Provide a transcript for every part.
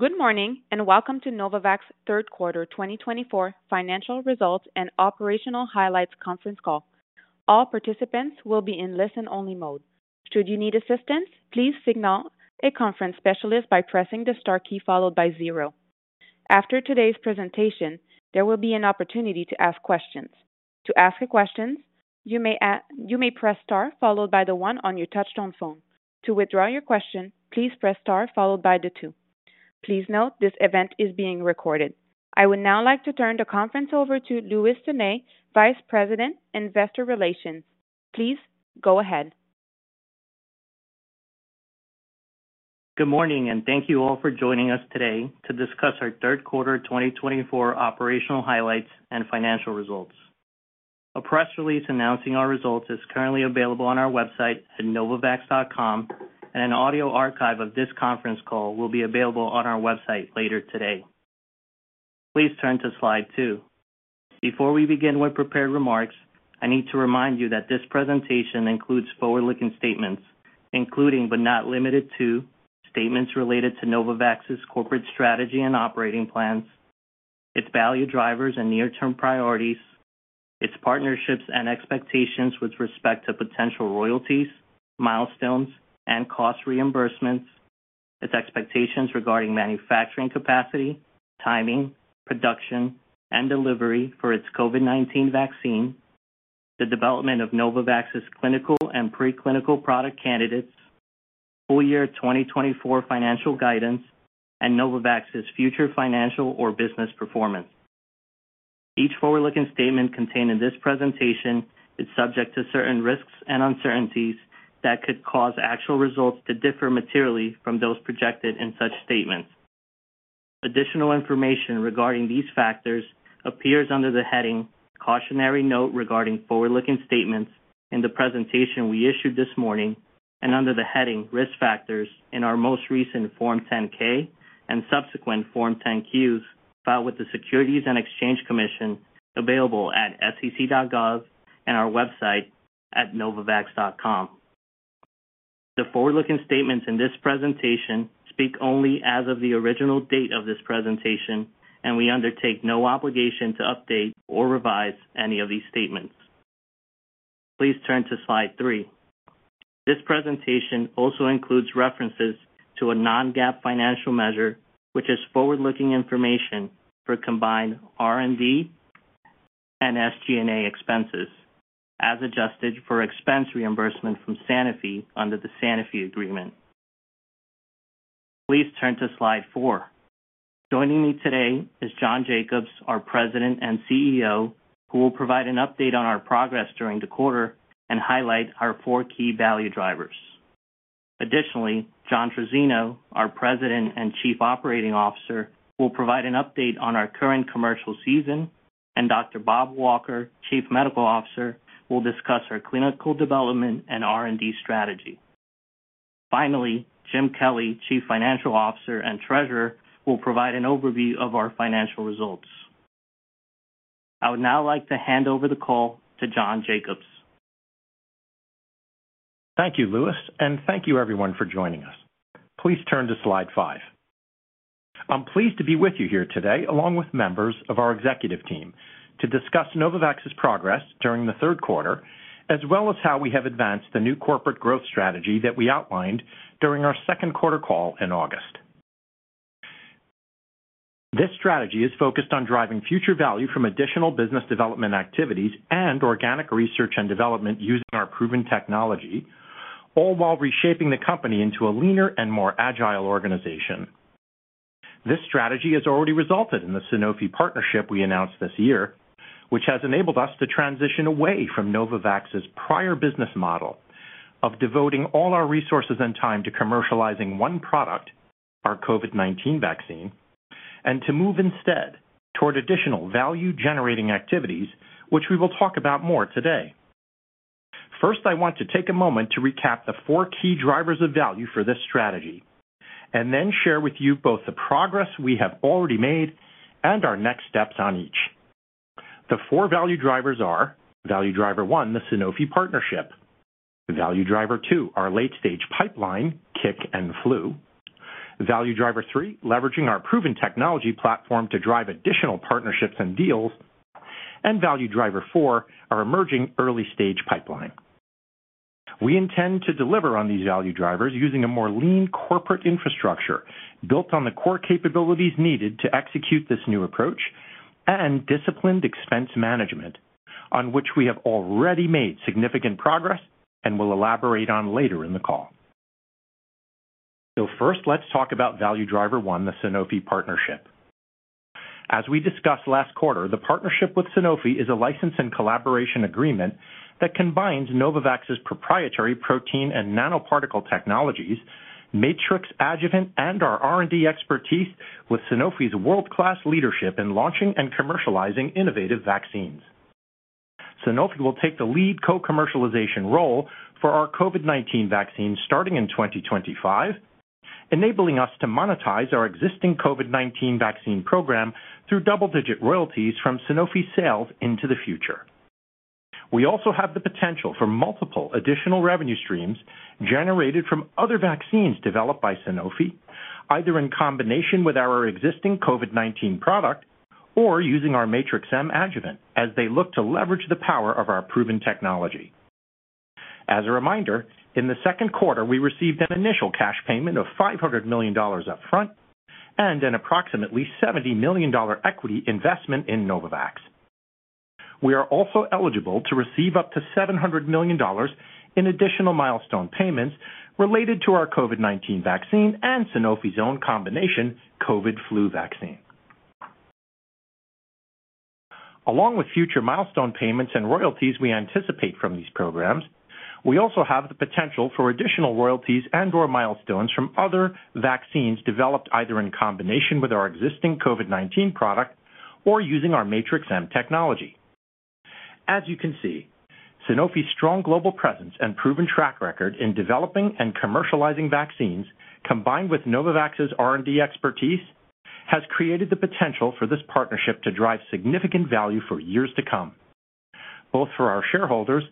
Good morning and welcome to Novavax third quarter 2024 Financial Results and Operational Highlights Conference Call. All participants will be in listen-only mode. Should you need assistance, please signal a conference specialist by pressing the star key followed by zero. After today's presentation, there will be an opportunity to ask questions. To ask a question, you may press star followed by the one on your touch-tone phone. To withdraw your question, please press star followed by the two. Please note this event is being recorded. I would now like to turn the conference over to Luis Sanay, Vice President, Investor Relations. Please go ahead. Good morning and thank you all for joining us today to discuss our third quarter 2024 Operational Highlights and Financial Results. A press release announcing our results is currently available on our website at novavax.com, and an audio archive of this conference call will be available on our website later today. Please turn to slide two. Before we begin with prepared remarks, I need to remind you that this presentation includes forward-looking statements, including but not limited to statements related to Novavax's corporate strategy and operating plans, its value drivers and near-term priorities, its partnerships and expectations with respect to potential royalties, milestones, and cost reimbursements, its expectations regarding manufacturing capacity, timing, production, and delivery for its COVID-19 vaccine, the development of Novavax's clinical and preclinical product candidates, full year 2024 financial guidance, and Novavax's future financial or business performance. Each forward-looking statement contained in this presentation is subject to certain risks and uncertainties that could cause actual results to differ materially from those projected in such statements. Additional information regarding these factors appears under the heading "Cautionary Note Regarding Forward-Looking Statements" in the presentation we issued this morning, and under the heading "Risk Factors" in our most recent Form 10-K and subsequent Form 10-Qs filed with the Securities and Exchange Commission available at sec.gov and our website at novavax.com. The forward-looking statements in this presentation speak only as of the original date of this presentation, and we undertake no obligation to update or revise any of these statements. Please turn to slide three. This presentation also includes references to a non-GAAP financial measure, which is forward-looking information for combined R&D and SG&A expenses, as adjusted for expense reimbursement from Sanofi under the Sanofi Agreement. Please turn to slide four. Joining me today is John Jacobs, our President and CEO, who will provide an update on our progress during the quarter and highlight our four key value drivers. Additionally, John Trizzino, our President and Chief Operating Officer, will provide an update on our current commercial season, and Dr. Bob Walker, Chief Medical Officer, will discuss our clinical development and R&D strategy. Finally, Jim Kelly, Chief Financial Officer and Treasurer, will provide an overview of our financial results. I would now like to hand over the call to John Jacobs. Thank you, Luis, and thank you, everyone, for joining us. Please turn to slide five. I'm pleased to be with you here today, along with members of our executive team, to discuss Novavax's progress during the third quarter, as well as how we have advanced the new corporate growth strategy that we outlined during our second quarter call in August. This strategy is focused on driving future value from additional business development activities and organic research and development using our proven technology, all while reshaping the company into a leaner and more agile organization. This strategy has already resulted in the Sanofi partnership we announced this year, which has enabled us to transition away from Novavax's prior business model of devoting all our resources and time to commercializing one product, our COVID-19 vaccine, and to move instead toward additional value-generating activities, which we will talk about more today. First, I want to take a moment to recap the four key drivers of value for this strategy, and then share with you both the progress we have already made and our next steps on each. The four value drivers are: Value Driver One, the Sanofi partnership. Value Driver Two, our late-stage pipeline, CIC and flu. Value Driver Three, leveraging our proven technology platform to drive additional partnerships and deals. And Value Driver Four, our emerging early-stage pipeline. We intend to deliver on these value drivers using a more lean corporate infrastructure built on the core capabilities needed to execute this new approach and disciplined expense management, on which we have already made significant progress and will elaborate on later in the call. So first, let's talk about Value Driver One, the Sanofi partnership. As we discussed last quarter, the partnership with Sanofi is a license and collaboration agreement that combines Novavax's proprietary protein and nanoparticle technologies, Matrix-M adjuvant, and our R&D expertise with Sanofi's world-class leadership in launching and commercializing innovative vaccines. Sanofi will take the lead co-commercialization role for our COVID-19 vaccine starting in 2025, enabling us to monetize our existing COVID-19 vaccine program through double-digit royalties from Sanofi sales into the future. We also have the potential for multiple additional revenue streams generated from other vaccines developed by Sanofi, either in combination with our existing COVID-19 product or using our Matrix-M adjuvant as they look to leverage the power of our proven technology. As a reminder, in the second quarter, we received an initial cash payment of $500 million upfront and an approximately $70 million equity investment in Novavax. We are also eligible to receive up to $700 million in additional milestone payments related to our COVID-19 vaccine and Sanofi's own combination COVID flu vaccine. Along with future milestone payments and royalties we anticipate from these programs, we also have the potential for additional royalties and/or milestones from other vaccines developed either in combination with our existing COVID-19 product or using our Matrix-M technology. As you can see, Sanofi's strong global presence and proven track record in developing and commercializing vaccines, combined with Novavax's R&D expertise, has created the potential for this partnership to drive significant value for years to come, both for our shareholders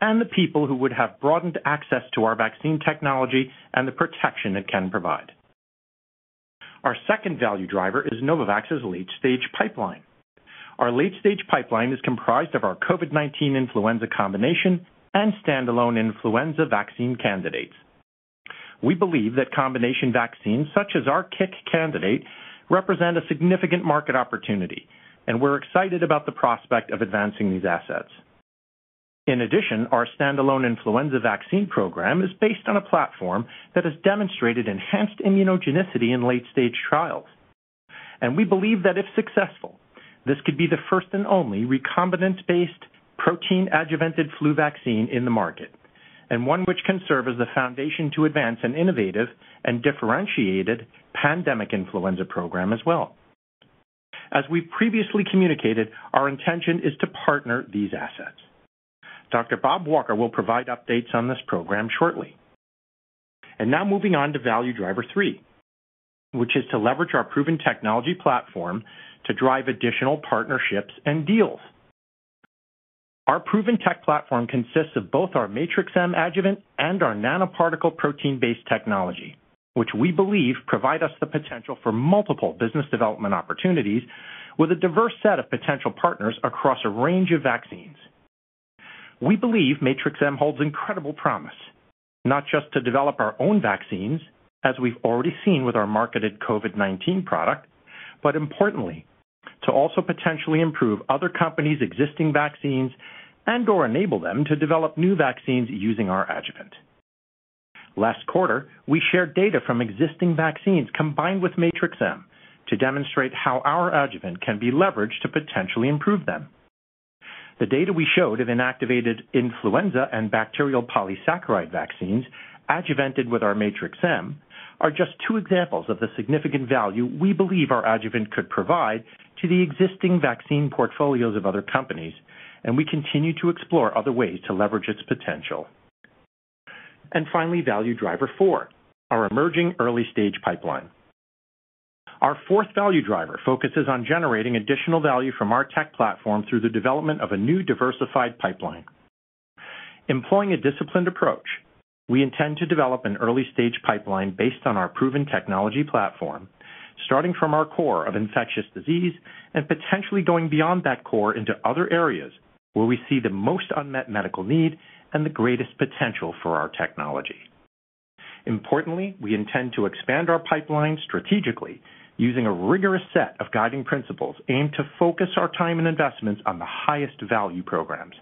and the people who would have broadened access to our vaccine technology and the protection it can provide. Our second value driver is Novavax's late-stage pipeline. Our late-stage pipeline is comprised of our COVID-19 influenza combination and standalone influenza vaccine candidates. We believe that combination vaccines such as our CIC candidate represent a significant market opportunity, and we're excited about the prospect of advancing these assets. In addition, our standalone influenza vaccine program is based on a platform that has demonstrated enhanced immunogenicity in late-stage trials, and we believe that if successful, this could be the first and only recombinant-based protein adjuvanted flu vaccine in the market, and one which can serve as the foundation to advance an innovative and differentiated pandemic influenza program as well. As we previously communicated, our intention is to partner these assets. Dr. Bob Walker will provide updates on this program shortly, and now moving on to Value Driver Three, which is to leverage our proven technology platform to drive additional partnerships and deals. Our proven tech platform consists of both our Matrix-M adjuvant and our nanoparticle protein-based technology, which we believe provide us the potential for multiple business development opportunities with a diverse set of potential partners across a range of vaccines. We believe Matrix-M holds incredible promise, not just to develop our own vaccines, as we've already seen with our marketed COVID-19 product, but importantly, to also potentially improve other companies' existing vaccines and/or enable them to develop new vaccines using our adjuvant. Last quarter, we shared data from existing vaccines combined with Matrix-M to demonstrate how our adjuvant can be leveraged to potentially improve them. The data we showed of inactivated influenza and bacterial polysaccharide vaccines adjuvanted with our Matrix-M are just two examples of the significant value we believe our adjuvant could provide to the existing vaccine portfolios of other companies, and we continue to explore other ways to leverage its potential. Finally, Value Driver Four, our emerging early-stage pipeline. Our fourth value driver focuses on generating additional value from our tech platform through the development of a new diversified pipeline. Employing a disciplined approach, we intend to develop an early-stage pipeline based on our proven technology platform, starting from our core of infectious disease and potentially going beyond that core into other areas where we see the most unmet medical need and the greatest potential for our technology. Importantly, we intend to expand our pipeline strategically using a rigorous set of guiding principles aimed to focus our time and investments on the highest value programs.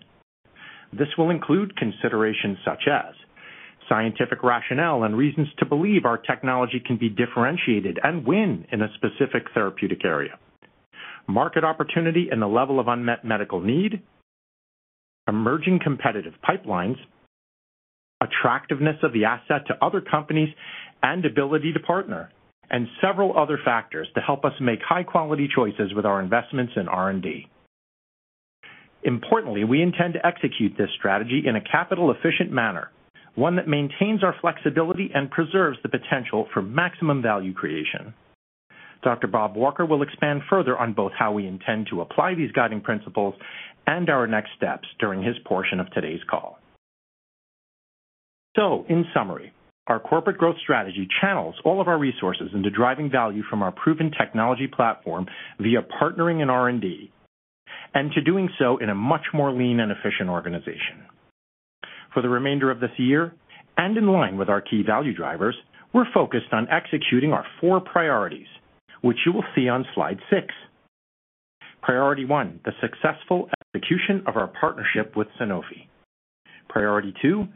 This will include considerations such as scientific rationale and reasons to believe our technology can be differentiated and win in a specific therapeutic area, market opportunity and the level of unmet medical need, emerging competitive pipelines, attractiveness of the asset to other companies and ability to partner, and several other factors to help us make high-quality choices with our investments in R&D. Importantly, we intend to execute this strategy in a capital-efficient manner, one that maintains our flexibility and preserves the potential for maximum value creation. Dr. Bob Walker will expand further on both how we intend to apply these guiding principles and our next steps during his portion of today's call. In summary, our corporate growth strategy channels all of our resources into driving value from our proven technology platform via partnering in R&D and to doing so in a much more lean and efficient organization. For the remainder of this year and in line with our key value drivers, we're focused on executing our four priorities, which you will see on slide six. Priority one, the successful execution of our partnership with Sanofi. Priority two,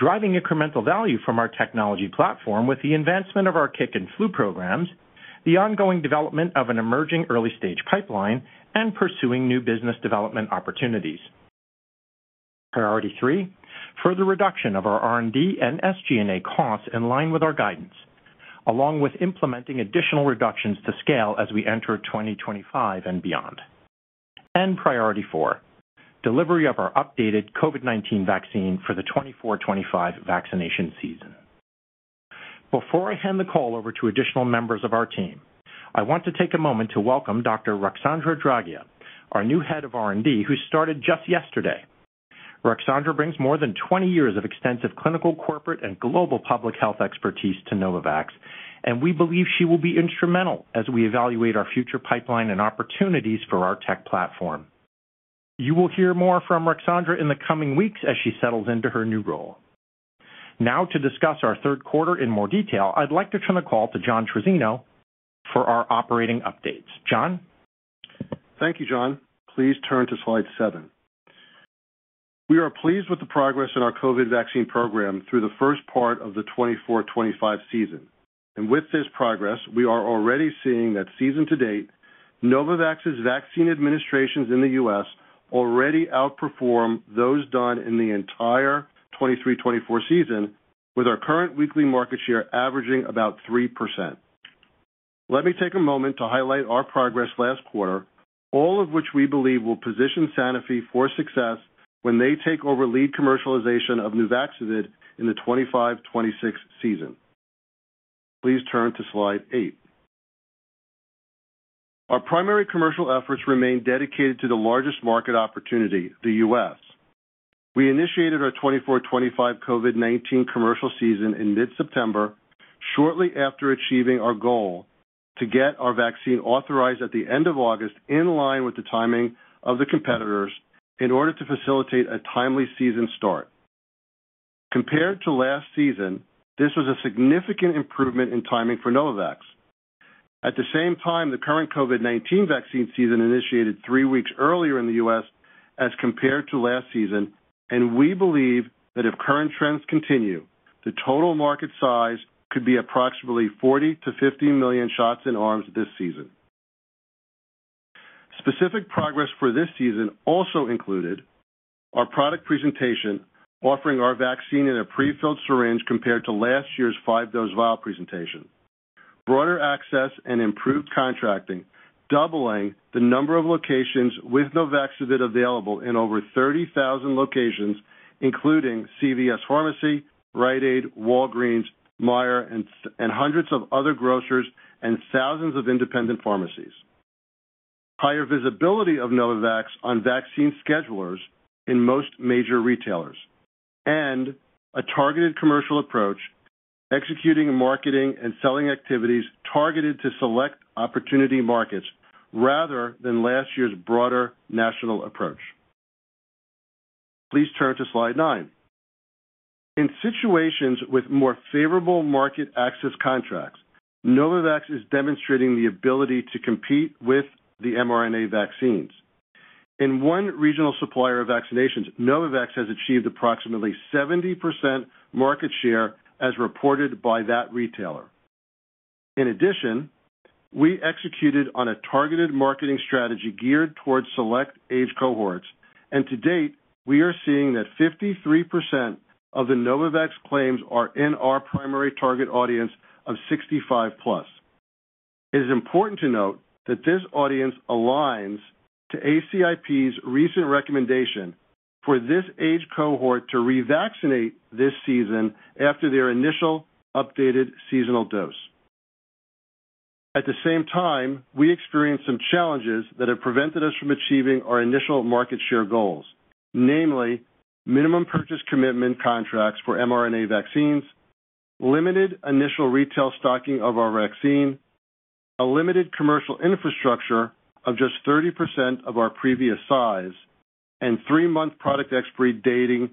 driving incremental value from our technology platform with the advancement of our CIC and flu programs, the ongoing development of an emerging early-stage pipeline, and pursuing new business development opportunities. Priority three, further reduction of our R&D and SG&A costs in line with our guidance, along with implementing additional reductions to scale as we enter 2025 and beyond. Priority four, delivery of our updated COVID-19 vaccine for the 2024-2025 vaccination season. Before I hand the call over to additional members of our team, I want to take a moment to welcome Dr. Ruxandra Draghia-Akli, our new head of R&D, who started just yesterday. Ruxandra brings more than 20 years of extensive clinical, corporate, and global public health expertise to Novavax, and we believe she will be instrumental as we evaluate our future pipeline and opportunities for our tech platform. You will hear more from Ruxandra in the coming weeks as she settles into her new role. Now, to discuss our third quarter in more detail, I'd like to turn the call to John Trizzino for our operating updates. John? Thank you, John. Please turn to slide seven. We are pleased with the progress in our COVID vaccine program through the first part of the 2024-2025 season, and with this progress, we are already seeing that season to date, Novavax's vaccine administrations in the U.S. already outperform those done in the entire 2023-2024 season, with our current weekly market share averaging about 3%. Let me take a moment to highlight our progress last quarter, all of which we believe will position Sanofi for success when they take over lead commercialization of Nuvaxovid in the 2025-2026 season. Please turn to slide eight. Our primary commercial efforts remain dedicated to the largest market opportunity, the U.S. We initiated our 2024-2025 COVID-19 commercial season in mid-September, shortly after achieving our goal to get our vaccine authorized at the end of August, in line with the timing of the competitors, in order to facilitate a timely season start. Compared to last season, this was a significant improvement in timing for Novavax. At the same time, the current COVID-19 vaccine season initiated three weeks earlier in the U.S. as compared to last season, and we believe that if current trends continue, the total market size could be approximately 40-50 million shots in arms this season. Specific progress for this season also included our product presentation, offering our vaccine in a prefilled syringe compared to last year's five-dose vial presentation, broader access, and improved contracting, doubling the number of locations with Nuvaxovid available in over 30,000 locations, including CVS Pharmacy, Rite Aid, Walgreens, Meijer, and hundreds of other grocers, and thousands of independent pharmacies. Higher visibility of Novavax on vaccine schedulers in most major retailers, and a targeted commercial approach, executing marketing and selling activities targeted to select opportunity markets rather than last year's broader national approach. Please turn to slide nine. In situations with more favorable market access contracts, Novavax is demonstrating the ability to compete with the mRNA vaccines. In one regional supplier of vaccinations, Novavax has achieved approximately 70% market share as reported by that retailer. In addition, we executed on a targeted marketing strategy geared towards select age cohorts, and to date, we are seeing that 53% of the Novavax claims are in our primary target audience of 65+. It is important to note that this audience aligns to ACIP's recent recommendation for this age cohort to revaccinate this season after their initial updated seasonal dose. At the same time, we experienced some challenges that have prevented us from achieving our initial market share goals, namely minimum purchase commitment contracts for mRNA vaccines, limited initial retail stocking of our vaccine, a limited commercial infrastructure of just 30% of our previous size, and three-month product expiry dating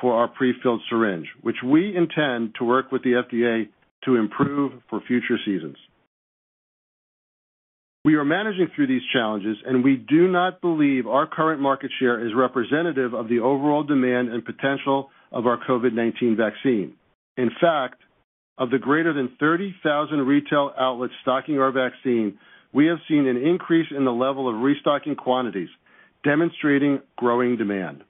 for our prefilled syringe, which we intend to work with the FDA to improve for future seasons. We are managing through these challenges, and we do not believe our current market share is representative of the overall demand and potential of our COVID-19 vaccine. In fact, of the greater than 30,000 retail outlets stocking our vaccine, we have seen an increase in the level of restocking quantities, demonstrating growing demand.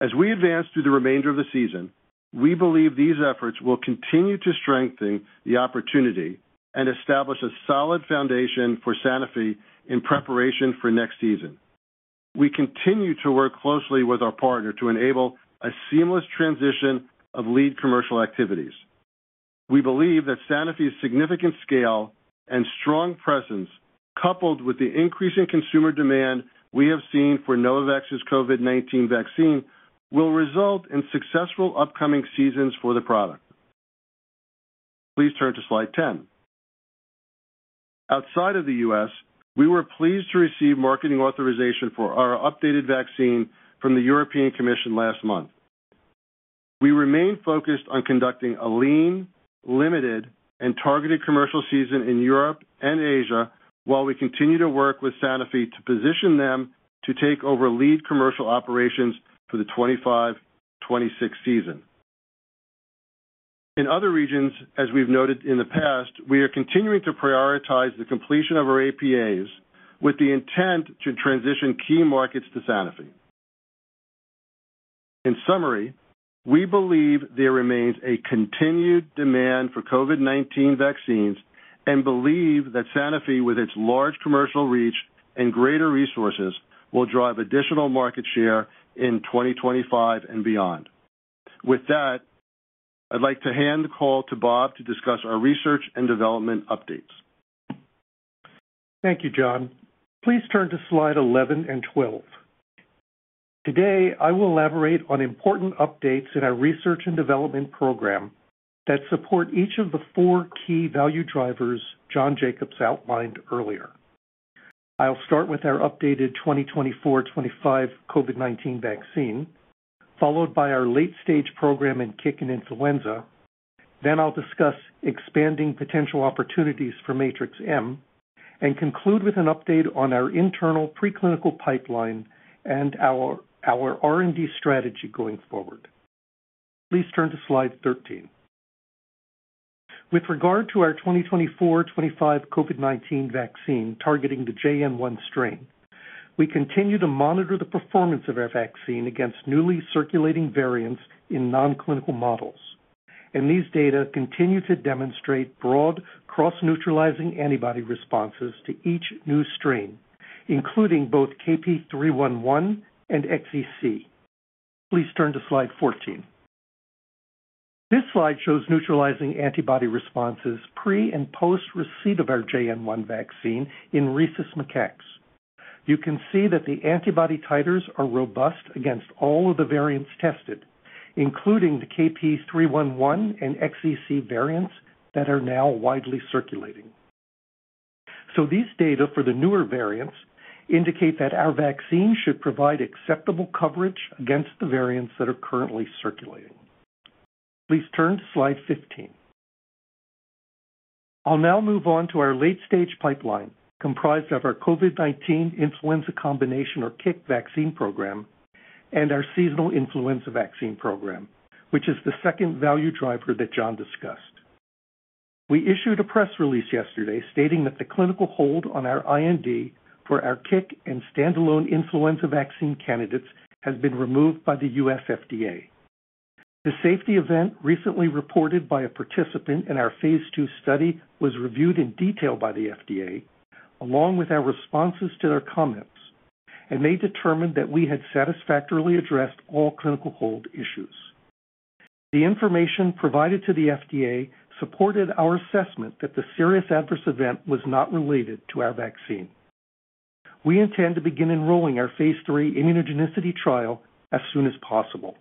As we advance through the remainder of the season, we believe these efforts will continue to strengthen the opportunity and establish a solid foundation for Sanofi in preparation for next season. We continue to work closely with our partner to enable a seamless transition of lead commercial activities. We believe that Sanofi's significant scale and strong presence, coupled with the increasing consumer demand we have seen for Novavax's COVID-19 vaccine, will result in successful upcoming seasons for the product. Please turn to slide ten. Outside of the U.S., we were pleased to receive marketing authorization for our updated vaccine from the European Commission last month. We remain focused on conducting a lean, limited, and targeted commercial season in Europe and Asia while we continue to work with Sanofi to position them to take over lead commercial operations for the 2025-2026 season. In other regions, as we've noted in the past, we are continuing to prioritize the completion of our APAs with the intent to transition key markets to Sanofi. In summary, we believe there remains a continued demand for COVID-19 vaccines and believe that Sanofi, with its large commercial reach and greater resources, will drive additional market share in 2025 and beyond. With that, I'd like to hand the call to Bob to discuss our research and development updates. Thank you, John. Please turn to slide 11 and 12. Today, I will elaborate on important updates in our research and development program that support each of the four key value drivers John Jacobs outlined earlier. I'll start with our updated 2024-2025 COVID-19 vaccine, followed by our late-stage program in CIC and influenza. Then I'll discuss expanding potential opportunities for Matrix-M and conclude with an update on our internal preclinical pipeline and our R&D strategy going forward. Please turn to slide 13. With regard to our 2024-2025 COVID-19 vaccine targeting the JN.1 strain, we continue to monitor the performance of our vaccine against newly circulating variants in nonclinical models, and these data continue to demonstrate broad cross-neutralizing antibody responses to each new strain, including both KP.3.1.1 and XEC. Please turn to slide 14. This slide shows neutralizing antibody responses pre and post-receipt of our JN.1 vaccine in rhesus macaques. You can see that the antibody titers are robust against all of the variants tested, including the KP.3.1.1 and XEC variants that are now widely circulating. So these data for the newer variants indicate that our vaccine should provide acceptable coverage against the variants that are currently circulating. Please turn to slide 15. I'll now move on to our late-stage pipeline comprised of our COVID-19 influenza combination or CIC vaccine program and our seasonal influenza vaccine program, which is the second value driver that John discussed. We issued a press release yesterday stating that the clinical hold on our IND for our CIC and standalone influenza vaccine candidates has been removed by the US FDA. The safety event recently reported by a participant in our phase II study was reviewed in detail by the FDA, along with our responses to their comments, and they determined that we had satisfactorily addressed all clinical hold issues. The information provided to the FDA supported our assessment that the serious adverse event was not related to our vaccine. We intend to begin enrolling our phase III immunogenicity trial as soon as possible.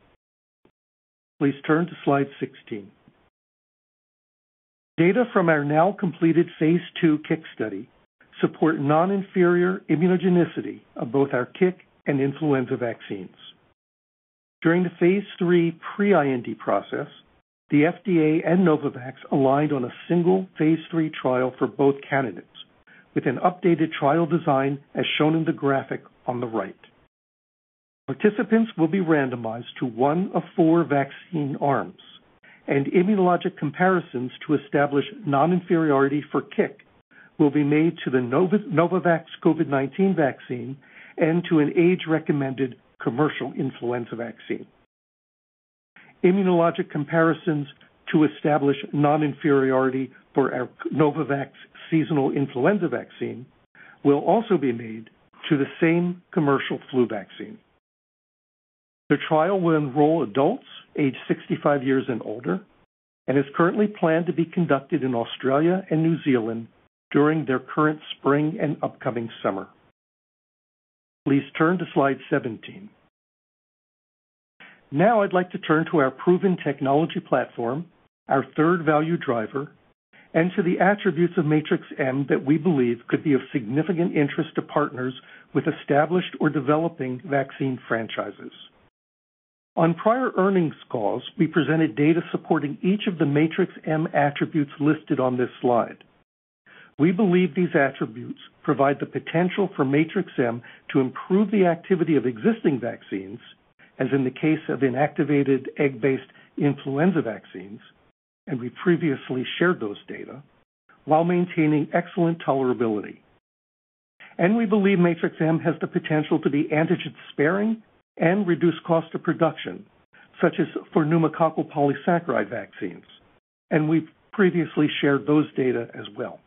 Please turn to slide 16. The data from our now completed phase II CIC study support non-inferior immunogenicity of both our CIC and influenza vaccines. During the phase III pre-IND process, the FDA and Novavax aligned on a single phase III trial for both candidates with an updated trial design as shown in the graphic on the right. Participants will be randomized to one of four vaccine arms, and immunologic comparisons to establish non-inferiority for CIC will be made to the Novavax COVID-19 vaccine and to an age-recommended commercial influenza vaccine. Immunologic comparisons to establish non-inferiority for our Novavax seasonal influenza vaccine will also be made to the same commercial flu vaccine. The trial will enroll adults aged 65 years and older and is currently planned to be conducted in Australia and New Zealand during their current spring and upcoming summer. Please turn to slide 17. Now, I'd like to turn to our proven technology platform, our third value driver, and to the attributes of Matrix-M that we believe could be of significant interest to partners with established or developing vaccine franchises. On prior earnings calls, we presented data supporting each of the Matrix-M attributes listed on this slide. We believe these attributes provide the potential for Matrix-M to improve the activity of existing vaccines, as in the case of inactivated egg-based influenza vaccines, and we previously shared those data while maintaining excellent tolerability, and we believe Matrix-M has the potential to be antigen sparing and reduce cost of production, such as for pneumococcal polysaccharide vaccines, and we've previously shared those data as well.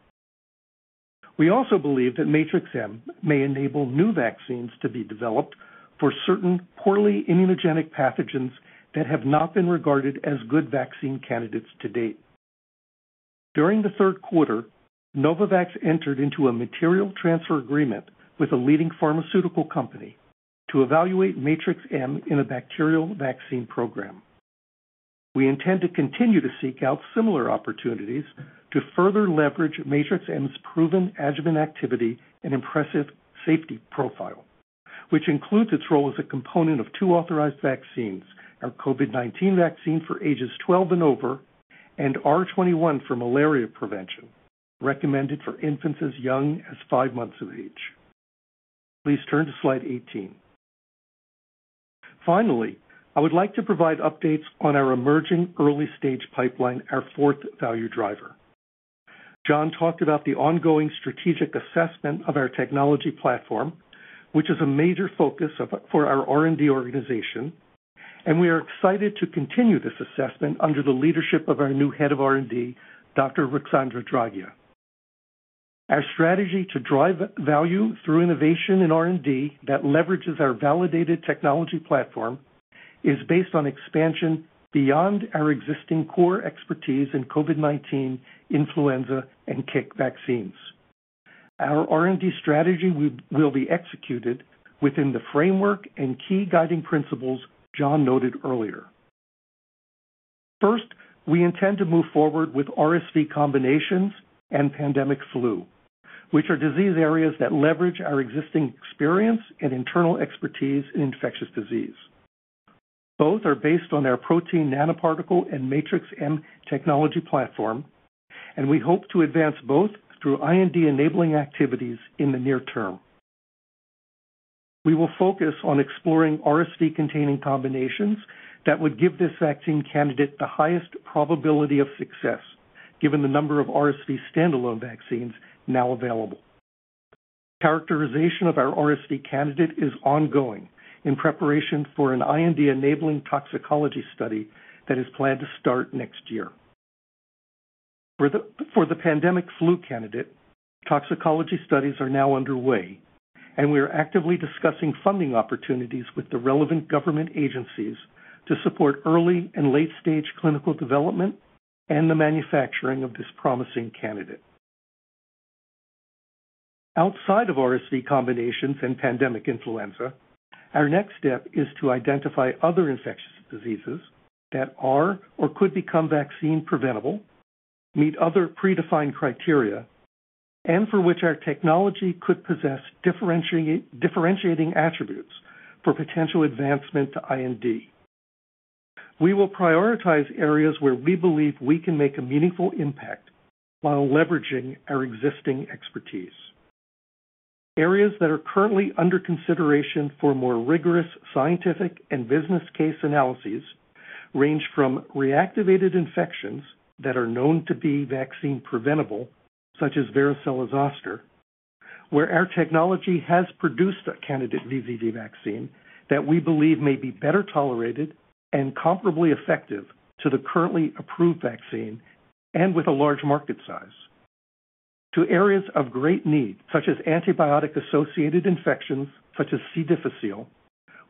We also believe that Matrix-M may enable new vaccines to be developed for certain poorly immunogenic pathogens that have not been regarded as good vaccine candidates to date. During the third quarter, Novavax entered into a material transfer agreement with a leading pharmaceutical company to evaluate Matrix-M in a bacterial vaccine program. We intend to continue to seek out similar opportunities to further leverage Matrix-M proven adjuvant activity and impressive safety profile, which includes its role as a component of two authorized vaccines: our COVID-19 vaccine for ages 12 and over and R21 for malaria prevention recommended for infants as young as five months of age. Please turn to slide 18. Finally, I would like to provide updates on our emerging early-stage pipeline, our fourth value driver. John talked about the ongoing strategic assessment of our technology platform, which is a major focus for our R&D organization, and we are excited to continue this assessment under the leadership of our new head of R&D, Dr. Ruxandra Draghia-Akli. Our strategy to drive value through innovation in R&D that leverages our validated technology platform is based on expansion beyond our existing core expertise in COVID-19, influenza, and CIC vaccines. Our R&D strategy will be executed within the framework and key guiding principles John noted earlier. First, we intend to move forward with RSV combinations and pandemic flu, which are disease areas that leverage our existing experience and internal expertise in infectious disease. Both are based on our protein nanoparticle and Matrix-M technology platform, and we hope to advance both through IND enabling activities in the near term. We will focus on exploring RSV-containing combinations that would give this vaccine candidate the highest probability of success, given the number of RSV standalone vaccines now available. Characterization of our RSV candidate is ongoing in preparation for an IND enabling toxicology study that is planned to start next year. For the pandemic flu candidate, toxicology studies are now underway, and we are actively discussing funding opportunities with the relevant government agencies to support early and late-stage clinical development and the manufacturing of this promising candidate. Outside of RSV combinations and pandemic influenza, our next step is to identify other infectious diseases that are or could become vaccine preventable, meet other predefined criteria, and for which our technology could possess differentiating attributes for potential advancement to IND. We will prioritize areas where we believe we can make a meaningful impact while leveraging our existing expertise. Areas that are currently under consideration for more rigorous scientific and business case analyses range from reactivated infections that are known to be vaccine preventable, such as varicella zoster, where our technology has produced a candidate VZV vaccine that we believe may be better tolerated and comparably effective to the currently approved vaccine and with a large market size, to areas of great need, such as antibiotic-associated infections, such as C. difficile,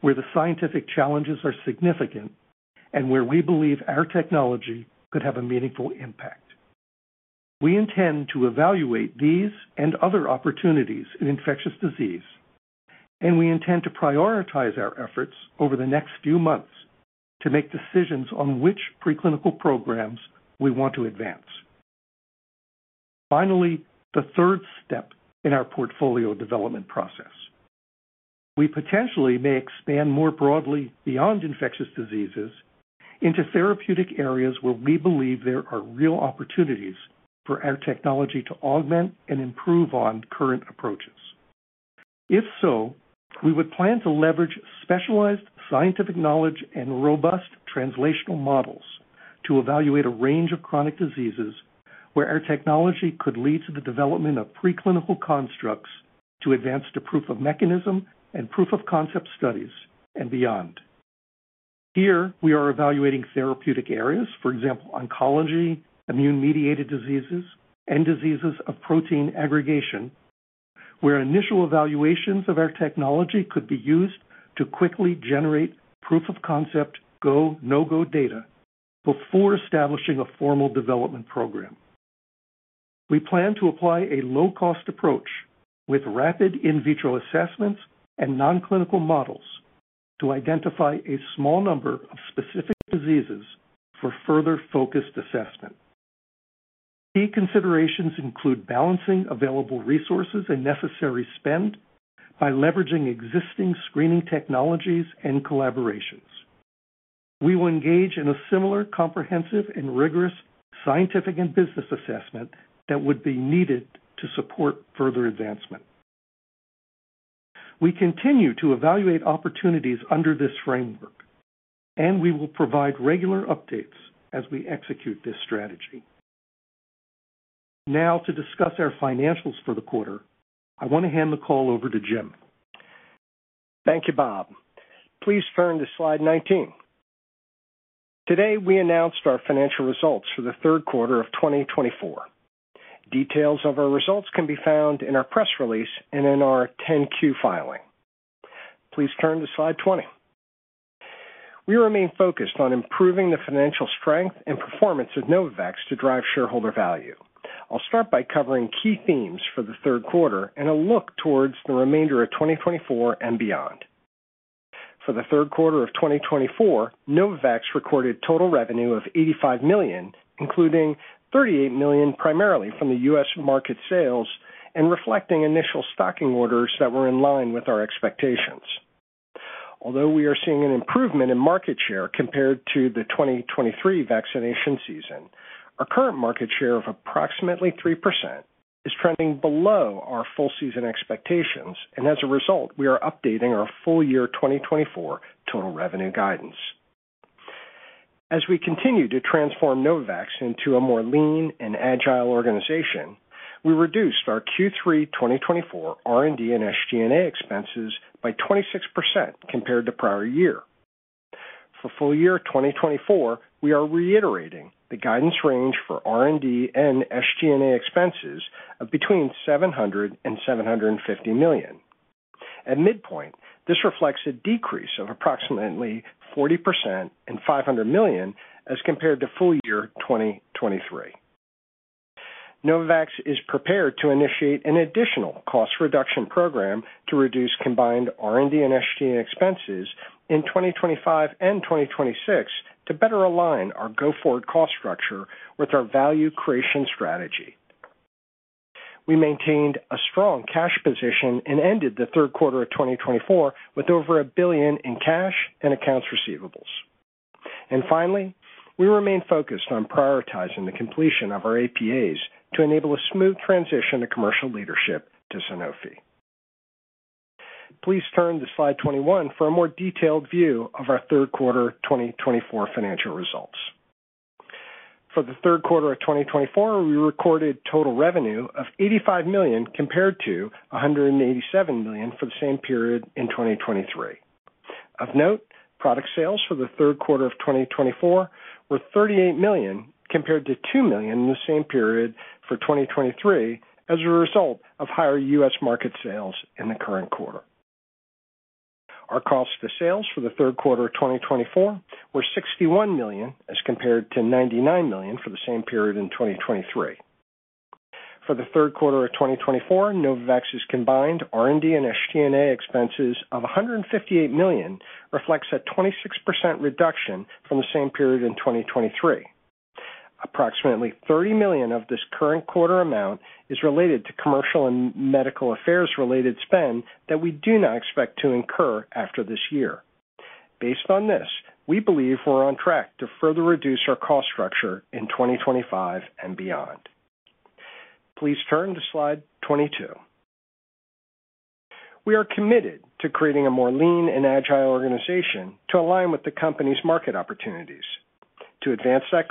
where the scientific challenges are significant and where we believe our technology could have a meaningful impact. We intend to evaluate these and other opportunities in infectious disease, and we intend to prioritize our efforts over the next few months to make decisions on which preclinical programs we want to advance. Finally, the third step in our portfolio development process. We potentially may expand more broadly beyond infectious diseases into therapeutic areas where we believe there are real opportunities for our technology to augment and improve on current approaches. If so, we would plan to leverage specialized scientific knowledge and robust translational models to evaluate a range of chronic diseases where our technology could lead to the development of preclinical constructs to advance to proof of mechanism and proof of concept studies and beyond. Here, we are evaluating therapeutic areas, for example, oncology, immune-mediated diseases, and diseases of protein aggregation, where initial evaluations of our technology could be used to quickly generate proof of concept, go, no-go data before establishing a formal development program. We plan to apply a low-cost approach with rapid in vitro assessments and nonclinical models to identify a small number of specific diseases for further focused assessment. Key considerations include balancing available resources and necessary spend by leveraging existing screening technologies and collaborations. We will engage in a similar comprehensive and rigorous scientific and business assessment that would be needed to support further advancement. We continue to evaluate opportunities under this framework, and we will provide regular updates as we execute this strategy. Now, to discuss our financials for the quarter, I want to hand the call over to Jim. Thank you, Bob. Please turn to slide 19. Today, we announced our financial results for the third quarter of 2024. Details of our results can be found in our press release and in our 10-Q filing. Please turn to slide 20. We remain focused on improving the financial strength and performance of Novavax to drive shareholder value. I'll start by covering key themes for the third quarter and a look towards the remainder of 2024 and beyond. For the third quarter of 2024, Novavax recorded total revenue of $85 million, including $38 million primarily from the U.S. market sales and reflecting initial stocking orders that were in line with our expectations. Although we are seeing an improvement in market share compared to the 2023 vaccination season, our current market share of approximately 3% is trending below our full season expectations, and as a result, we are updating our full year 2024 total revenue guidance. As we continue to transform Novavax into a more lean and agile organization, we reduced our Q3 2024 R&D and SG&A expenses by 26% compared to prior year. For full year 2024, we are reiterating the guidance range for R&D and SG&A expenses of between $700 million and $750 million. At midpoint, this reflects a decrease of approximately 40% and $500 million as compared to full year 2023. Novavax is prepared to initiate an additional cost reduction program to reduce combined R&D and SG&A expenses in 2025 and 2026 to better align our go-forward cost structure with our value creation strategy. We maintained a strong cash position and ended the third quarter of 2024 with over $1 billion in cash and accounts receivables. And finally, we remain focused on prioritizing the completion of our APAs to enable a smooth transition to commercial leadership to Sanofi. Please turn to slide 21 for a more detailed view of our third quarter 2024 financial results. For the third quarter of 2024, we recorded total revenue of $85 million compared to $187 million for the same period in 2023. Of note, product sales for the third quarter of 2024 were $38 million compared to $2 million in the same period for 2023 as a result of higher U.S. market sales in the current quarter. Our cost of sales for the third quarter of 2024 were $61 million as compared to $99 million for the same period in 2023. For the third quarter of 2024, Novavax's combined R&D and SG&A expenses of $158 million reflects a 26% reduction from the same period in 2023. Approximately $30 million of this current quarter amount is related to commercial and medical affairs-related spend that we do not expect to incur after this year. Based on this, we believe we're on track to further reduce our cost structure in 2025 and beyond. Please turn to slide 22. We are committed to creating a more lean and agile organization to align with the company's market opportunities. To advance that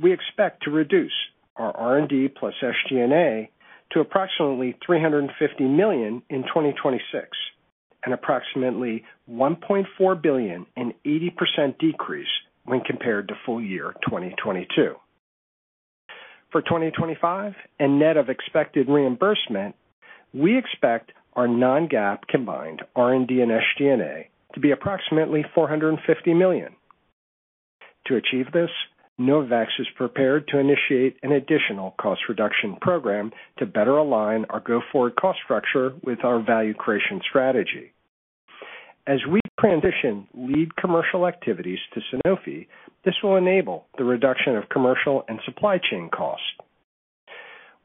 goal, we expect to reduce our R&D plus SG&A to approximately $350 million in 2026 and approximately $1.4 billion and 80% decrease when compared to full year 2022. For 2025, a net of expected reimbursement, we expect our non-GAAP combined R&D and SG&A to be approximately $450 million. To achieve this, Novavax is prepared to initiate an additional cost reduction program to better align our go-forward cost structure with our value creation strategy. As we transition lead commercial activities to Sanofi, this will enable the reduction of commercial and supply chain costs.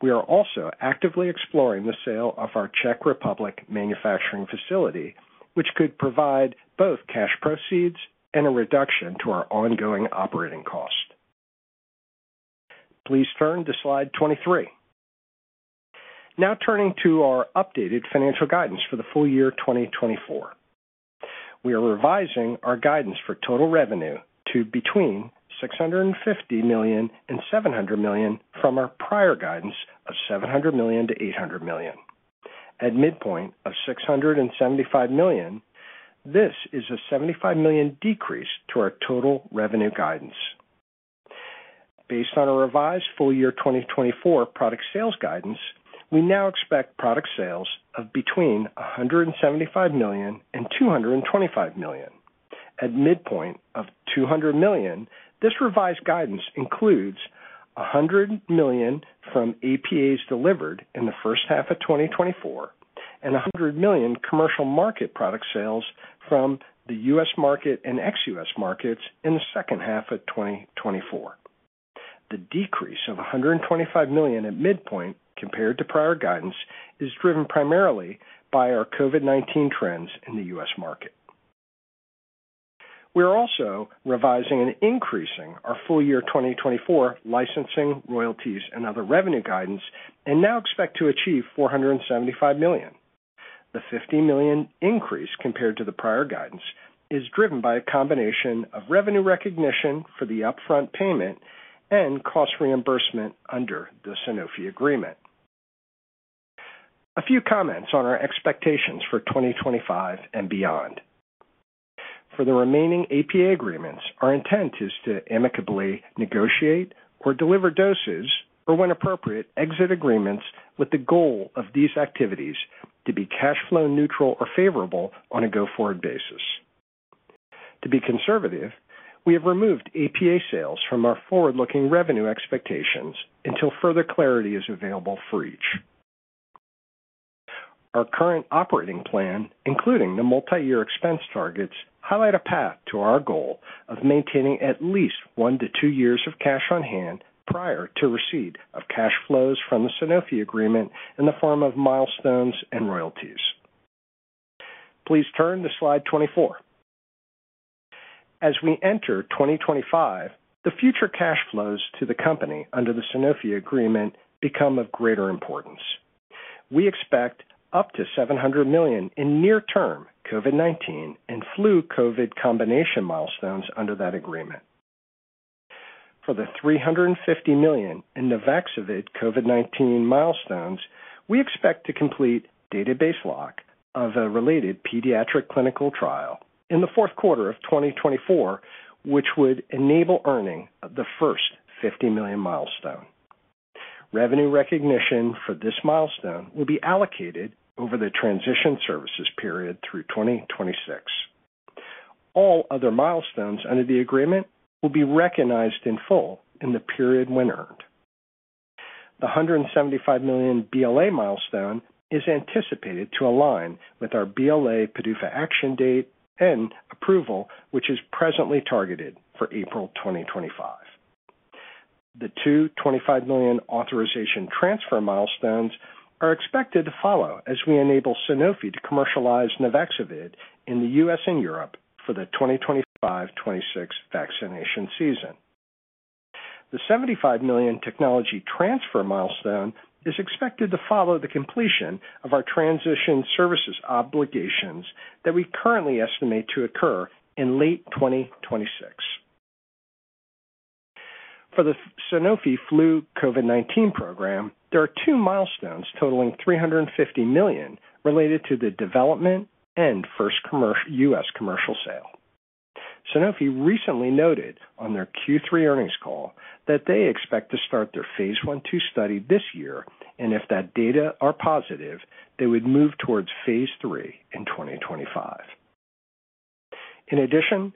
We are also actively exploring the sale of our Czech Republic manufacturing facility, which could provide both cash proceeds and a reduction to our ongoing operating cost. Please turn to slide 23. Now turning to our updated financial guidance for the full year 2024. We are revising our guidance for total revenue to between $650 million and $700 million from our prior guidance of $700 million to $800 million. At midpoint of $675 million, this is a $75 million decrease to our total revenue guidance. Based on our revised full year 2024 product sales guidance, we now expect product sales of between $175 million and $225 million. At midpoint of $200 million, this revised guidance includes $100 million from APAs delivered in the first half of 2024 and $100 million commercial market product sales from the U.S. market and ex-U.S. markets in the second half of 2024. The decrease of $125 million at midpoint compared to prior guidance is driven primarily by our COVID-19 trends in the U.S. market. We are also revising and increasing our full year 2024 licensing, royalties, and other revenue guidance and now expect to achieve $475 million. The $50 million increase compared to the prior guidance is driven by a combination of revenue recognition for the upfront payment and cost reimbursement under the Sanofi agreement. A few comments on our expectations for 2025 and beyond. For the remaining APA agreements, our intent is to amicably negotiate or deliver doses or, when appropriate, exit agreements with the goal of these activities to be cash flow neutral or favorable on a go-forward basis. To be conservative, we have removed APA sales from our forward-looking revenue expectations until further clarity is available for each. Our current operating plan, including the multi-year expense targets, highlights a path to our goal of maintaining at least one-to-two years of cash on hand prior to receipt of cash flows from the Sanofi agreement in the form of milestones and royalties. Please turn to slide 24. As we enter 2025, the future cash flows to the company under the Sanofi agreement become of greater importance. We expect up to $700 million in near-term COVID-19 and flu-COVID combination milestones under that agreement. For the $350 million in the COVID-19 vaccine milestones, we expect to complete database lock of a related pediatric clinical trial in the fourth quarter of 2024, which would enable earning the first $50 million milestone. Revenue recognition for this milestone will be allocated over the transition services period through 2026. All other milestones under the agreement will be recognized in full in the period when earned. The $175 million BLA milestone is anticipated to align with our BLA PDUFA action date and approval, which is presently targeted for April 2025. The two $25 million authorization transfer milestones are expected to follow as we enable Sanofi to commercialize Novavax in the U.S. and Europe for the 2025-2026 vaccination season. The $75 million technology transfer milestone is expected to follow the completion of our transition services obligations that we currently estimate to occur in late 2026. For the Sanofi flu COVID-19 program, there are two milestones totaling $350 million related to the development and first U.S. commercial sale. Sanofi recently noted on their Q3 earnings call that they expect to start their phase I/II study this year, and if that data are positive, they would move towards phase III in 2025. In addition,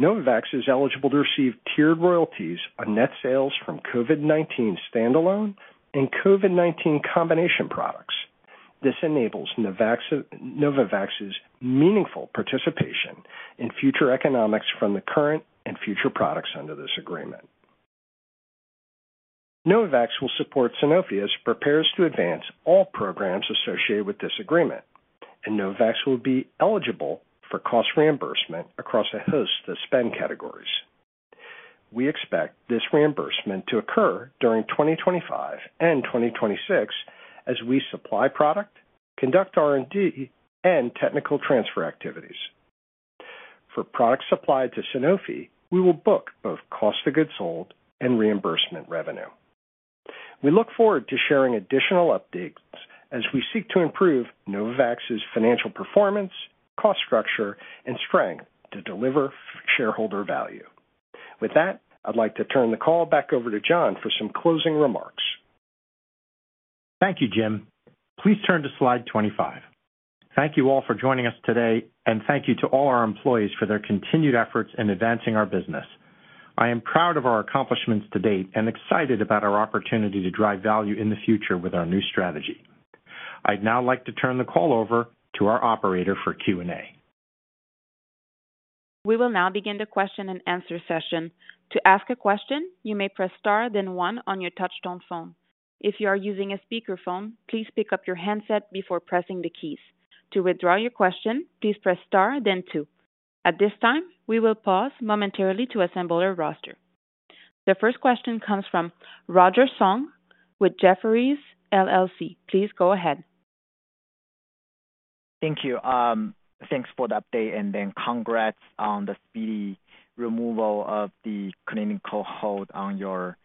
Novavax is eligible to receive tiered royalties on net sales from COVID-19 standalone and COVID-19 combination products. This enables Novavax's meaningful participation in future economics from the current and future products under this agreement. Novavax will support Sanofi as it prepares to advance all programs associated with this agreement, and Novavax will be eligible for cost reimbursement across a host of spend categories. We expect this reimbursement to occur during 2025 and 2026 as we supply product, conduct R&D, and technology transfer activities. For products supplied to Sanofi, we will book both cost of goods sold and reimbursement revenue. We look forward to sharing additional updates as we seek to improve Novavax's financial performance, cost structure, and strength to deliver shareholder value. With that, I'd like to turn the call back over to John for some closing remarks. Thank you, Jim. Please turn to slide 25. Thank you all for joining us today, and thank you to all our employees for their continued efforts in advancing our business. I am proud of our accomplishments to date and excited about our opportunity to drive value in the future with our new strategy. I'd now like to turn the call over to our operator for Q&A. We will now begin the question and answer session. To ask a question, you may press star, then one on your touch-tone phone. If you are using a speakerphone, please pick up your handset before pressing the keys. To withdraw your question, please press star, then two. At this time, we will pause momentarily to assemble our roster. The first question comes from Roger Song with Jefferies LLC. Please go ahead. Thank you. Thanks for the update, and then congrats on the speedy removal of the clinical hold on your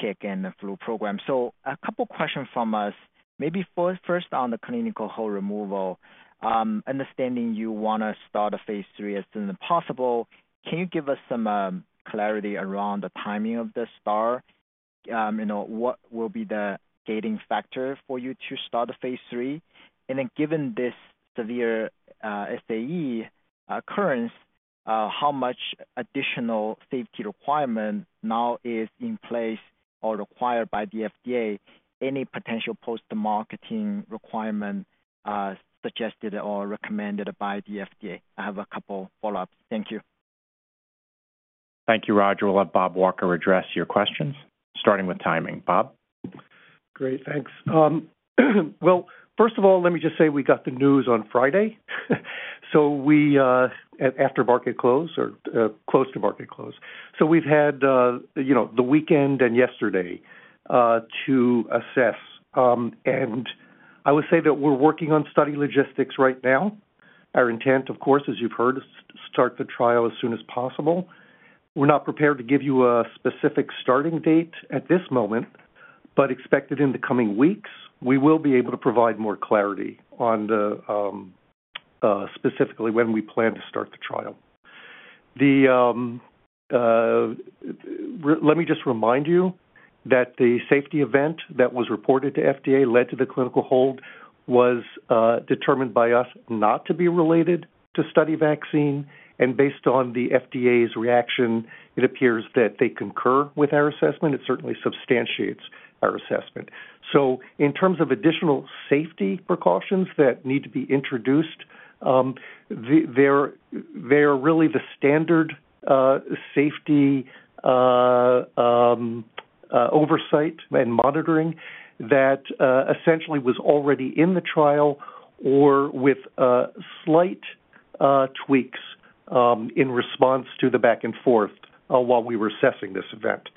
CIC and the flu program. So a couple of questions from us. Maybe first on the clinical hold removal, understanding you want to start a phase III as soon as possible. Can you give us some clarity around the timing of the start? What will be the gating factor for you to start the phase III? And then given this severe SAE occurrence, how much additional safety requirement now is in place or required by the FDA? Any potential post marketing requirement suggested or recommended by the FDA? I have a couple of follow-ups. Thank you. Thank you, Roger. We'll let Bob Walker address your questions, starting with timing. Bob. Great. Thanks. Well, first of all, let me just say we got the news on Friday. So after market close or close to market close, so we've had the weekend and yesterday to assess. And I would say that we're working on study logistics right now. Our intent, of course, as you've heard, is to start the trial as soon as possible. We're not prepared to give you a specific starting date at this moment, but expected in the coming weeks, we will be able to provide more clarity on specifically when we plan to start the trial. Let me just remind you that the safety event that was reported to FDA, [which] led to the clinical hold, was determined by us not to be related to study vaccine. And based on the FDA's reaction, it appears that they concur with our assessment. It certainly substantiates our assessment. In terms of additional safety precautions that need to be introduced, they are really the standard safety oversight and monitoring that essentially was already in the trial or with slight tweaks in response to the back and forth while we were assessing this event.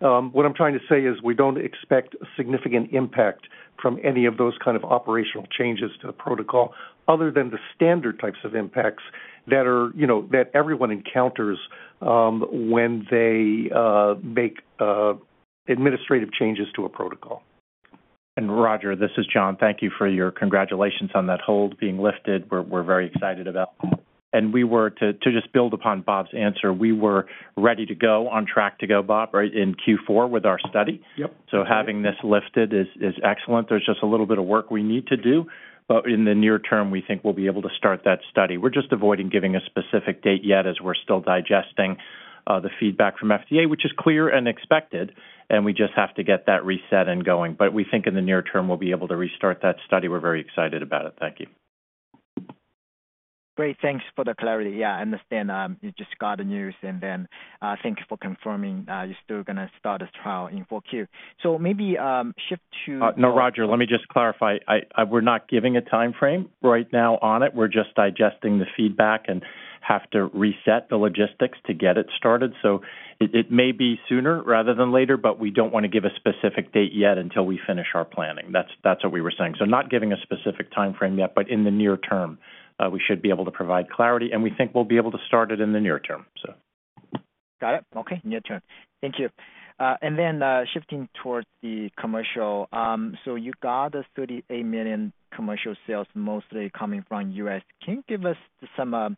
What I'm trying to say is we don't expect significant impact from any of those kinds of operational changes to the protocol other than the standard types of impacts that everyone encounters when they make administrative changes to a protocol. And Roger, this is John. Thank you for your congratulations on that hold being lifted. We're very excited about that. And to just build upon Bob's answer, we were ready to go, on track to go, Bob, right in Q4 with our study. Yep. Having this lifted is excellent. There's just a little bit of work we need to do, but in the near term, we think we'll be able to start that study. We're just avoiding giving a specific date yet as we're still digesting the feedback from FDA, which is clear and expected, and we just have to get that reset and going. But we think in the near term, we'll be able to restart that study. We're very excited about it. Thank you. Great. Thanks for the clarity. Yeah, I understand you just got the news, and then thank you for confirming you're still going to start the trial in 4Q. So maybe shift to. No, Roger, let me just clarify. We're not giving a timeframe right now on it. We're just digesting the feedback and have to reset the logistics to get it started. So it may be sooner rather than later, but we don't want to give a specific date yet until we finish our planning. That's what we were saying. So not giving a specific timeframe yet, but in the near term, we should be able to provide clarity, and we think we'll be able to start it in the near term, so. Got it. Okay. Near term. Thank you. And then shifting towards the commercial. So you got the $38 million commercial sales mostly coming from the U.S. Can you give us some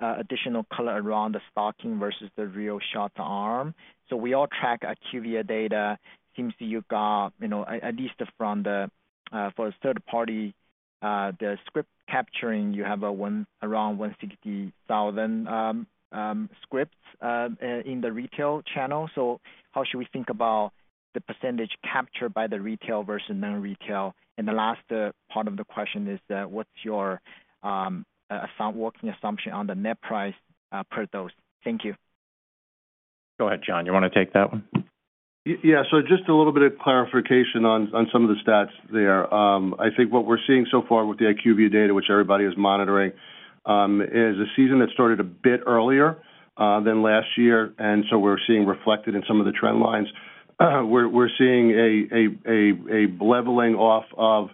additional color around the stocking versus the real shots in arm? So we all track IQVIA data. It seems you got at least from the third party, the script capturing, you have around 160,000 scripts in the retail channel. So how should we think about the percentage captured by the retail versus non-retail? And the last part of the question is what's your working assumption on the net price per those? Thank you. Go ahead, John. You want to take that one? Yeah. So just a little bit of clarification on some of the stats there. I think what we're seeing so far with the IQVIA data, which everybody is monitoring, is a season that started a bit earlier than last year. And so we're seeing reflected in some of the trend lines. We're seeing a leveling off of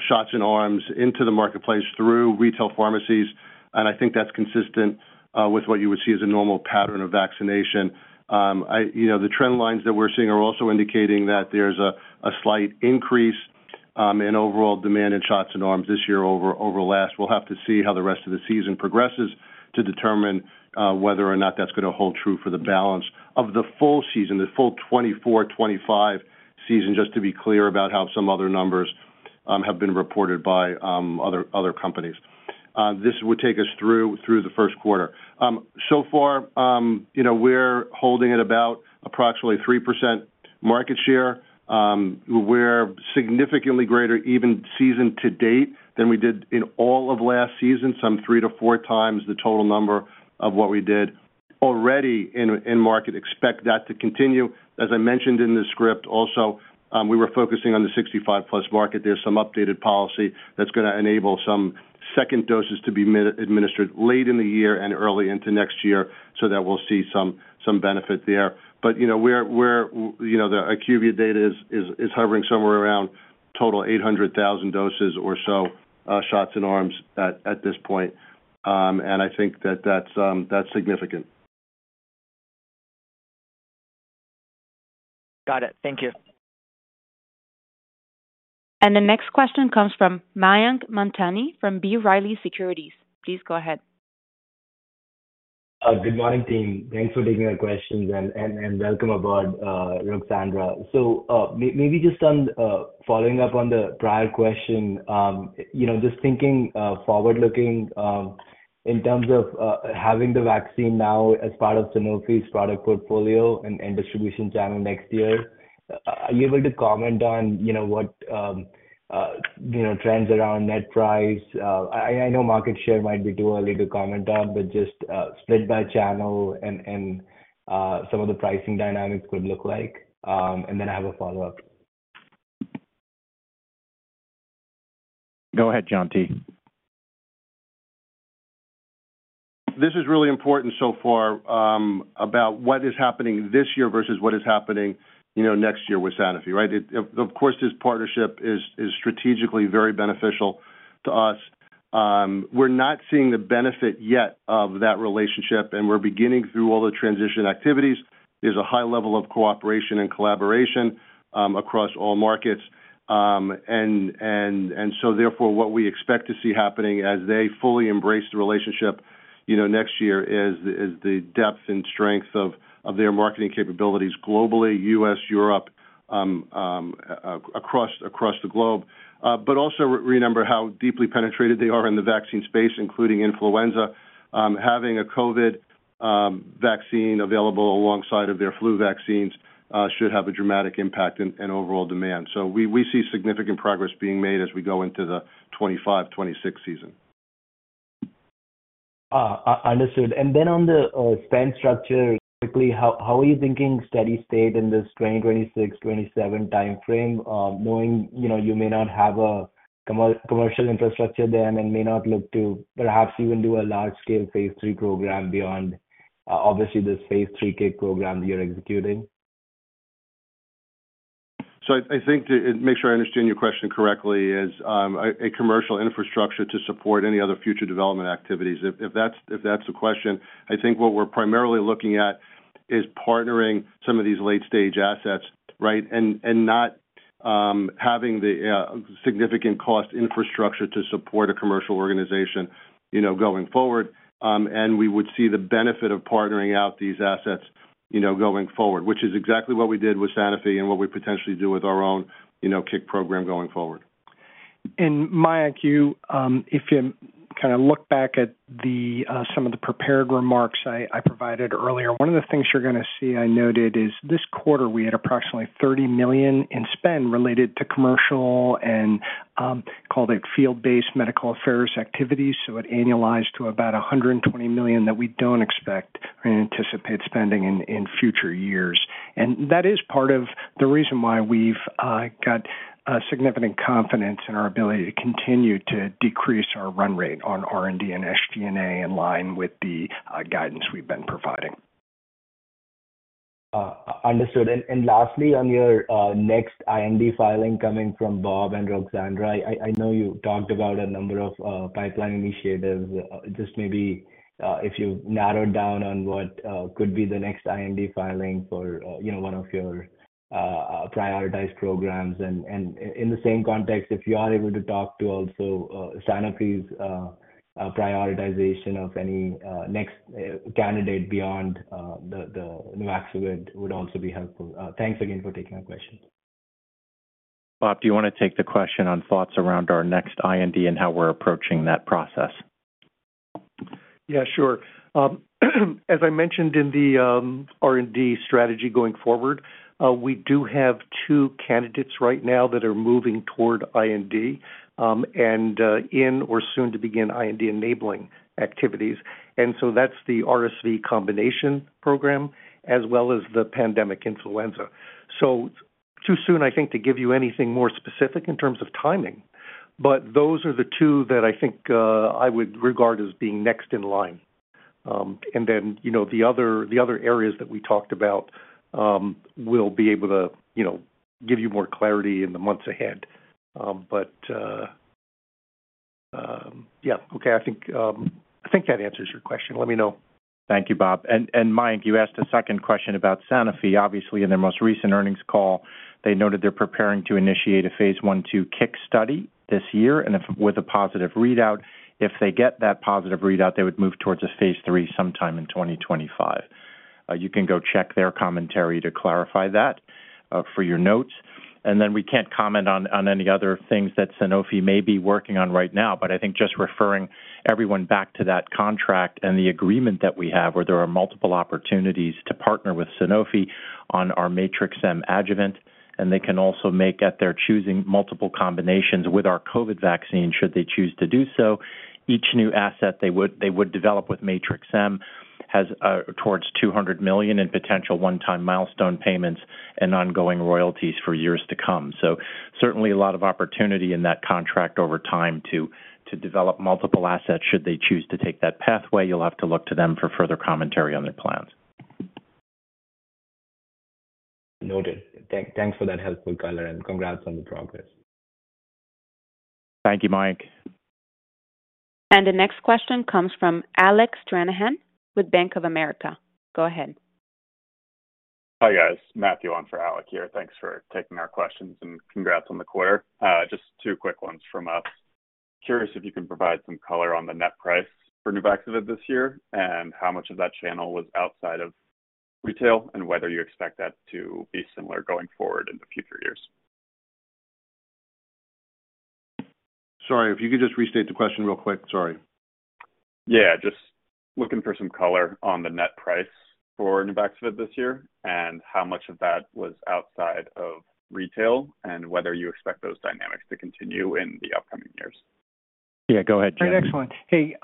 shots in arms into the marketplace through retail pharmacies. And I think that's consistent with what you would see as a normal pattern of vaccination. The trend lines that we're seeing are also indicating that there's a slight increase in overall demand in shots in arms this year over last. We'll have to see how the rest of the season progresses to determine whether or not that's going to hold true for the balance of the full season, the full 2024-2025 season, just to be clear about how some other numbers have been reported by other companies. This would take us through the first quarter. So far, we're holding at about approximately 3% market share. We're significantly greater, even season to date, than we did in all of last season, some three to four times the total number of what we did already in market. Expect that to continue. As I mentioned in the script, also, we were focusing on the 65+ market. There's some updated policy that's going to enable some second doses to be administered late in the year and early into next year so that we'll see some benefit there. But the IQVIA data is hovering somewhere around total 800,000 doses or so shots in arms at this point. And I think that that's significant. Got it. Thank you. The next question comes from Mayank Mamtani from B. Riley Securities. Please go ahead. Good morning, team. Thanks for taking our questions and welcome aboard, Ruxandra. So maybe just following up on the prior question, just thinking forward-looking in terms of having the vaccine now as part of Sanofi's product portfolio and distribution channel next year, are you able to comment on what trends around net price? I know market share might be too early to comment on, but just split by channel and some of the pricing dynamics would look like, and then I have a follow-up. Go ahead, John T. This is really important so far about what is happening this year versus what is happening next year with Sanofi, right? Of course, this partnership is strategically very beneficial to us. We're not seeing the benefit yet of that relationship, and we're beginning through all the transition activities. There's a high level of cooperation and collaboration across all markets, and so therefore, what we expect to see happening as they fully embrace the relationship next year is the depth and strength of their marketing capabilities globally, the U.S., Europe, across the globe, but also remember how deeply penetrated they are in the vaccine space, including influenza. Having a COVID vaccine available alongside of their flu vaccines should have a dramatic impact in overall demand, so we see significant progress being made as we go into the 2025-2026 season. I understood. And then on the spend structure, quickly, how are you thinking steady state in this 2026-2027 timeframe? Knowing you may not have a commercial infrastructure there and may not look to perhaps even do a large-scale phase III program beyond, obviously, this phase III CIC program that you're executing. So, I think to make sure I understand your question correctly is a commercial infrastructure to support any other future development activities. If that's the question, I think what we're primarily looking at is partnering some of these late-stage assets, right, and not having the significant cost infrastructure to support a commercial organization going forward, and we would see the benefit of partnering out these assets going forward, which is exactly what we did with Sanofi and what we potentially do with our own CIC program going forward. Mayank, if you kind of look back at some of the prepared remarks I provided earlier, one of the things you're going to see I noted is this quarter we had approximately $30 million in spend related to commercial, and called it field-based medical affairs activities. So it annualized to about $120 million that we don't expect or anticipate spending in future years. And that is part of the reason why we've got significant confidence in our ability to continue to decrease our run rate on R&D and SG&A in line with the guidance we've been providing. Understood. And lastly, on your next IND filing coming from Bob and Ruxandra, I know you talked about a number of pipeline initiatives. Just maybe if you narrowed down on what could be the next IND filing for one of your prioritized programs? And in the same context, if you are able to talk to also Sanofi's prioritization of any next candidate beyond the vaccine would also be helpful? Thanks again for taking our questions. Bob, do you want to take the question on thoughts around our next IND and how we're approaching that process? Yeah, sure. As I mentioned in the R&D strategy going forward, we do have two candidates right now that are moving toward IND and in or soon to begin IND enabling activities. And so that's the RSV combination program as well as the pandemic influenza. So too soon, I think, to give you anything more specific in terms of timing. But those are the two that I think I would regard as being next in line. And then the other areas that we talked about will be able to give you more clarity in the months ahead. But yeah. Okay. I think that answers your question. Let me know. Thank you, Bob. And Mayank, you asked a second question about Sanofi. Obviously, in their most recent earnings call, they noted they're preparing to initiate a phase I/II CIC study this year with a positive readout. If they get that positive readout, they would move towards a phase III sometime in 2025. You can go check their commentary to clarify that for your notes. And then we can't comment on any other things that Sanofi may be working on right now, but I think just referring everyone back to that contract and the agreement that we have where there are multiple opportunities to partner with Sanofi on our Matrix-M adjuvant. And they can also make, at their choosing, multiple combinations with our COVID vaccine should they choose to do so. Each new asset they would develop with Matrix-M has toward $200 million in potential one-time milestone payments and ongoing royalties for years to come. So certainly a lot of opportunity in that contract over time to develop multiple assets should they choose to take that pathway. You'll have to look to them for further commentary on their plans. Noted. Thanks for that helpful, color. And congrats on the progress. Thank you, Mayank. And the next question comes from Alec Stranahan with Bank of America. Go ahead. Hi guys. Matthew on for Alec here. Thanks for taking our questions and congrats on the quarter. Just two quick ones from us. Curious if you can provide some color on the net price for new vaccine this year and how much of that channel was outside of retail and whether you expect that to be similar going forward in the future years. Sorry, if you could just restate the question real quick. Sorry. Yeah. Just looking for some color on the net price for new vaccine this year and how much of that was outside of retail and whether you expect those dynamics to continue in the upcoming years? Yeah. Go ahead, John. Excellent. Hey,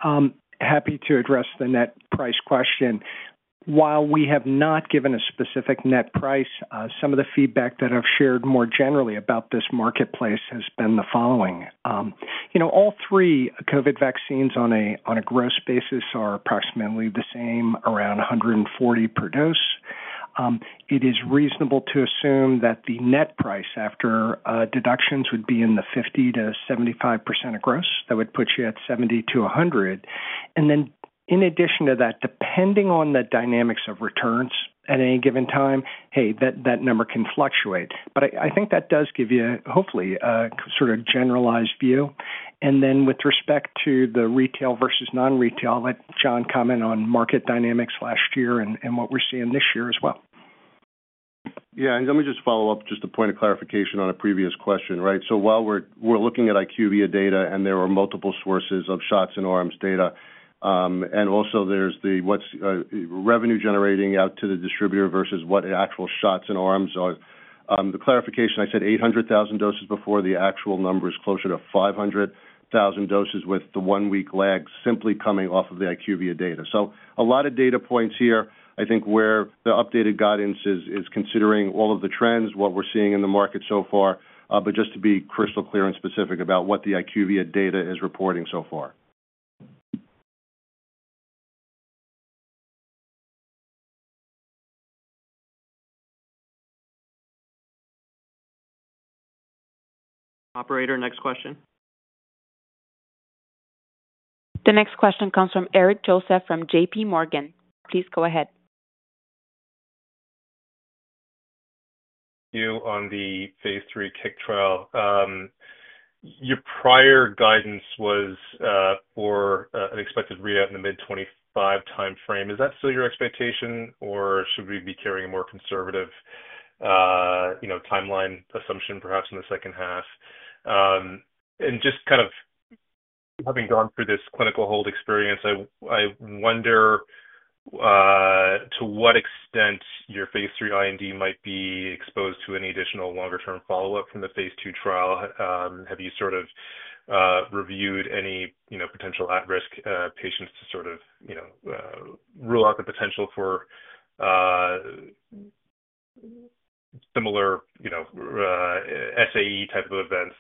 happy to address the net price question. While we have not given a specific net price, some of the feedback that I've shared more generally about this marketplace has been the following. All three COVID vaccines on a gross basis are approximately the same, around $140 per dose. It is reasonable to assume that the net price after deductions would be in the 50%-75% of gross. That would put you at $70-$100. And then in addition to that, depending on the dynamics of returns at any given time, hey, that number can fluctuate. But I think that does give you hopefully a sort of generalized view. And then with respect to the retail versus non-retail, let John comment on market dynamics last year and what we're seeing this year as well. Yeah, and let me just follow up just a point of clarification on a previous question, right? So while we're looking at IQVIA data and there are multiple sources of shots in arms data, and also there's the revenue generating out to the distributor versus what actual shots in arms are. The clarification, I said 800,000 doses before the actual number is closer to 500,000 doses with the one-week lag simply coming off of the IQVIA data. So a lot of data points here, I think, where the updated guidance is considering all of the trends, what we're seeing in the market so far, but just to be crystal clear and specific about what the IQVIA data is reporting so far. Operator, next question. The next question comes from Eric Joseph from J.P. Morgan. Please go ahead. Thank you on the phase III CIC trial. Your prior guidance was for an expected readout in the mid-25 timeframe. Is that still your expectation, or should we be carrying a more conservative timeline assumption perhaps in the second half? And just kind of having gone through this clinical hold experience, I wonder to what extent your phase III IND might be exposed to any additional longer-term follow-up from the phase II trial. Have you sort of reviewed any potential at-risk patients to sort of rule out the potential for similar SAE type of events?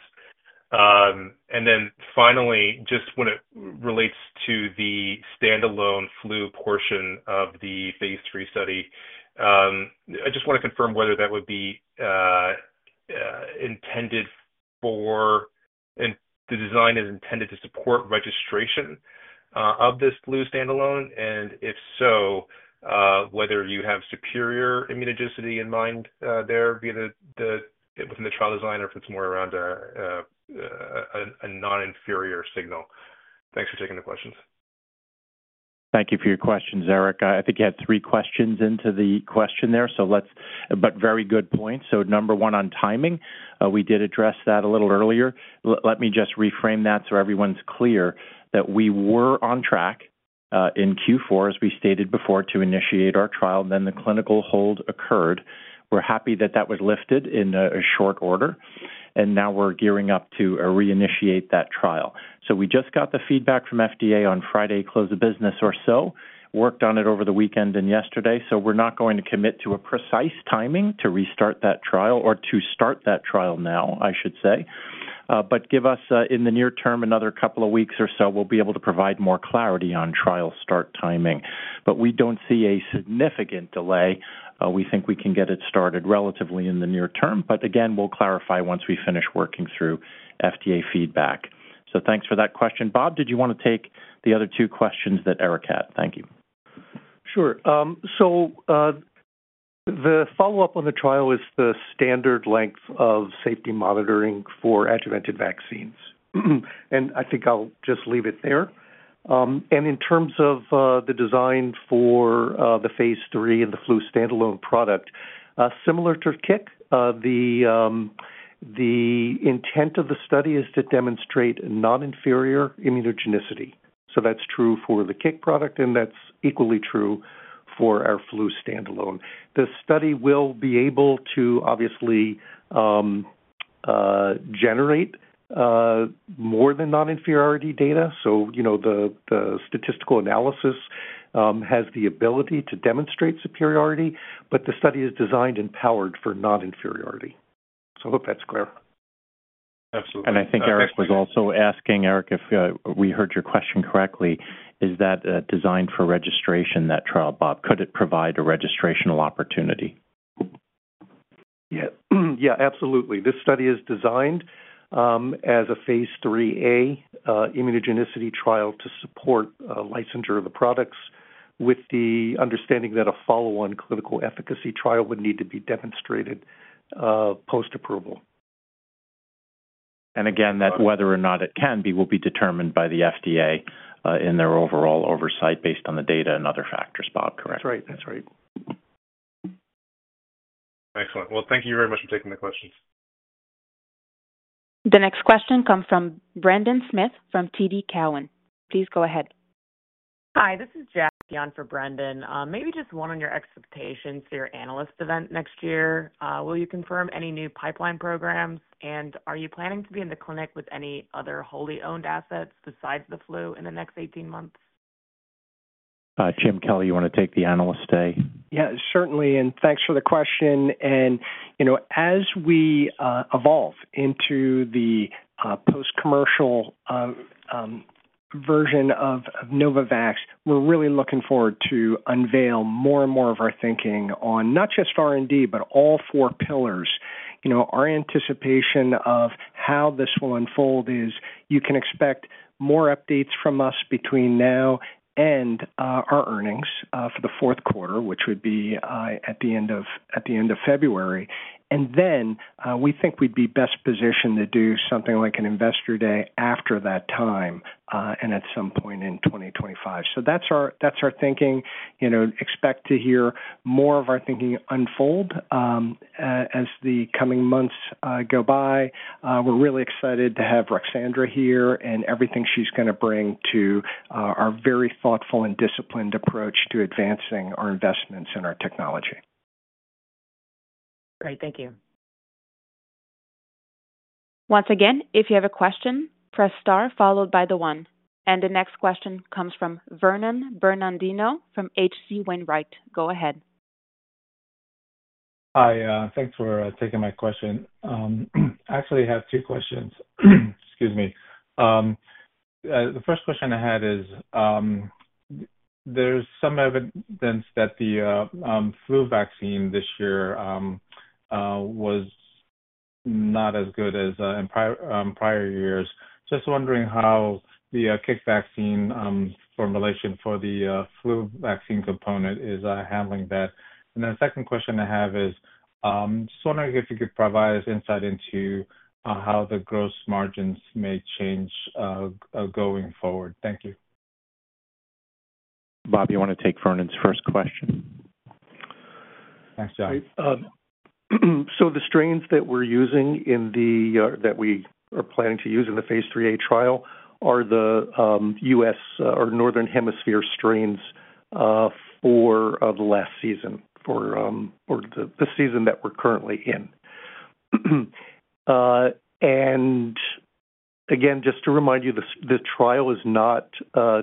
And then finally, just when it relates to the standalone flu portion of the phase III study, I just want to confirm whether that would be intended for the design is intended to support registration of this flu standalone? And if so, whether you have superior immunogenicity in mind there within the trial design or if it's more around a non-inferior signal? Thanks for taking the questions. Thank you for your questions, Eric. I think you had three questions in the question there, but very good points. So number one on timing, we did address that a little earlier. Let me just reframe that so everyone's clear that we were on track in Q4, as we stated before, to initiate our trial, then the clinical hold occurred. We're happy that that was lifted in short order. And now we're gearing up to reinitiate that trial. So we just got the feedback from FDA on Friday, close of business or so, worked on it over the weekend and yesterday. So we're not going to commit to a precise timing to restart that trial or to start that trial now, I should say, but give us in the near term another couple of weeks or so, we'll be able to provide more clarity on trial start timing. But we don't see a significant delay. We think we can get it started relatively in the near term. But again, we'll clarify once we finish working through FDA feedback. So thanks for that question. Bob, did you want to take the other two questions that Eric had? Thank you. Sure. So the follow-up on the trial is the standard length of safety monitoring for adjuvanted vaccines. And I think I'll just leave it there. And in terms of the design for the phase III and the flu standalone product, similar to CIC, the intent of the study is to demonstrate non-inferior immunogenicity. So that's true for the CIC product, and that's equally true for our flu standalone. The study will be able to obviously generate more than non-inferiority data. So the statistical analysis has the ability to demonstrate superiority, but the study is designed and powered for non-inferiority. So I hope that's clear. Absolutely. And I think Eric was also asking, Eric, if we heard your question correctly, is that designed for registration, that trial, Bob? Could it provide a registrational opportunity? Yeah. Absolutely. This study is designed as a phase III A immunogenicity trial to support licensure of the products with the understanding that a follow-on clinical efficacy trial would need to be demonstrated post-approval. And again, that whether or not it can be will be determined by the FDA in their overall oversight based on the data and other factors, Bob. Correct? That's right. That's right. Excellent. Well, thank you very much for taking the questions. The next question comes from Brendan Smith from TD Cowen. Please go ahead. Hi. This is Jack for Brendan. Maybe just one on your expectations for your analyst event next year. Will you confirm any new pipeline programs? And are you planning to be in the clinic with any other wholly owned assets besides the flu in the next 18 months? Jim Kelly, you want to take the Analyst Day? Yeah, certainly. And thanks for the question. And as we evolve into the post-commercial version of Novavax, we're really looking forward to unveil more and more of our thinking on not just R&D, but all four pillars. Our anticipation of how this will unfold is you can expect more updates from us between now and our earnings for the fourth quarter, which would be at the end of February. And then we think we'd be best positioned to do something like an Investor Day after that time and at some point in 2025. So that's our thinking. Expect to hear more of our thinking unfold as the coming months go by. We're really excited to have Ruxandra here and everything she's going to bring to our very thoughtful and disciplined approach to advancing our investments in our technology. Great. Thank you. Once again, if you have a question, press star followed by the one, and the next question comes from Vernon Bernardino from H.C. Wainwright. Go ahead. Hi. Thanks for taking my question. I actually have two questions. Excuse me. The first question I had is there's some evidence that the flu vaccine this year was not as good as in prior years. Just wondering how the CIC vaccine formulation for the flu vaccine component is handling that. And then the second question I have is just wondering if you could provide us insight into how the gross margins may change going forward. Thank you. Bob, you want to take Vernon's first question? Thanks, John. The strains that we're using in that we are planning to use in the phase III A trial are the U.S. or Northern Hemisphere strains for the last season for the season that we're currently in. And again, just to remind you, the trial is not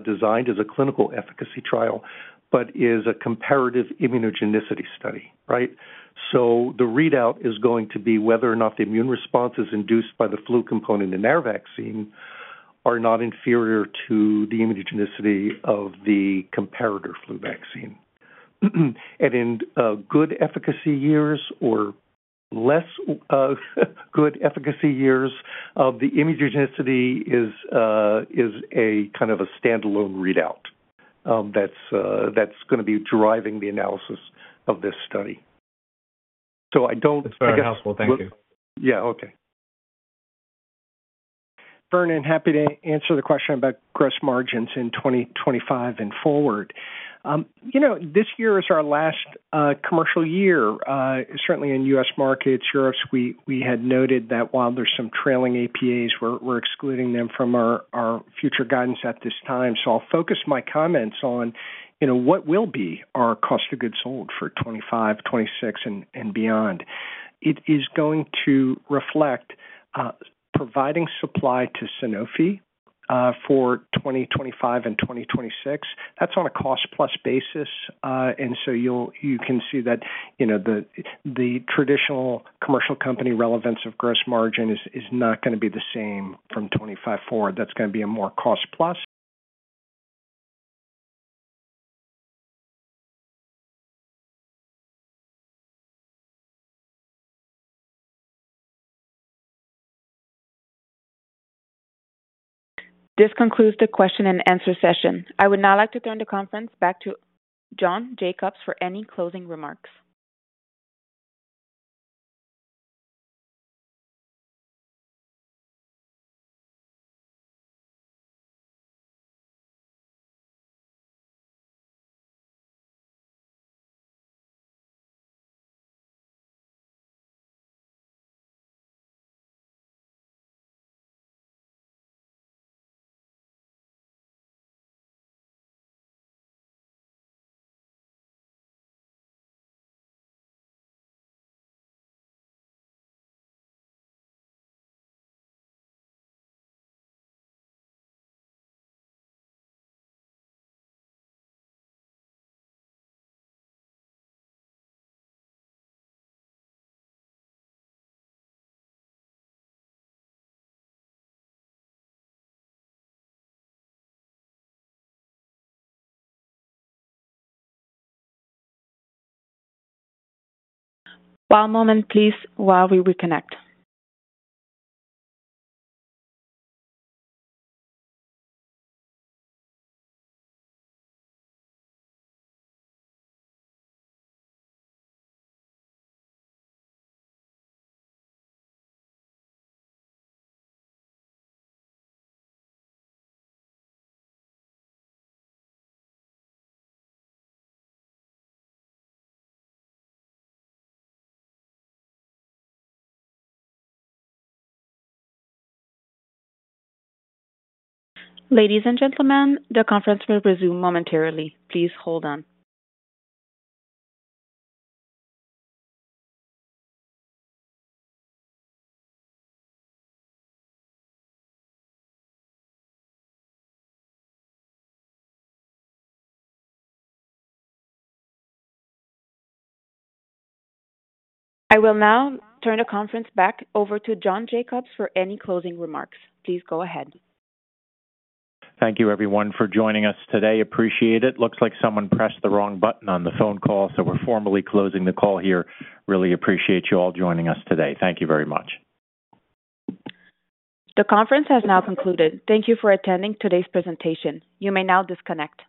designed as a clinical efficacy trial, but is a comparative immunogenicity study, right? The readout is going to be whether or not the immune responses induced by the flu component in our vaccine are not inferior to the immunogenicity of the comparator flu vaccine. And in good efficacy years or less good efficacy years, the immunogenicity is a kind of a standalone readout that's going to be driving the analysis of this study. So I don't. That's very helpful. Thank you. Yeah. Okay. Vernon, happy to answer the question about gross margins in 2025 and forward. This year is our last commercial year. Certainly in the U.S. markets, Europe, we had noted that while there's some trailing APAs, we're excluding them from our future guidance at this time. So I'll focus my comments on what will be our cost of goods sold for 2025, 2026, and beyond. It is going to reflect providing supply to Sanofi for 2025 and 2026. That's on a cost-plus basis, and so you can see that the traditional commercial company relevance of gross margin is not going to be the same from 2025 forward. That's going to be a more cost-plus. This concludes the question and answer session. I would now like to turn the conference back to John Jacobs for any closing remarks. One moment, please, while we reconnect. Ladies and gentlemen, the conference will resume momentarily. Please hold on. I will now turn the conference back over to John Jacobs for any closing remarks. Please go ahead. Thank you, everyone, for joining us today. Appreciate it. Looks like someone pressed the wrong button on the phone call, so we're formally closing the call here. Really appreciate you all joining us today. Thank you very much. The conference has now concluded. Thank you for attending today's presentation. You may now disconnect.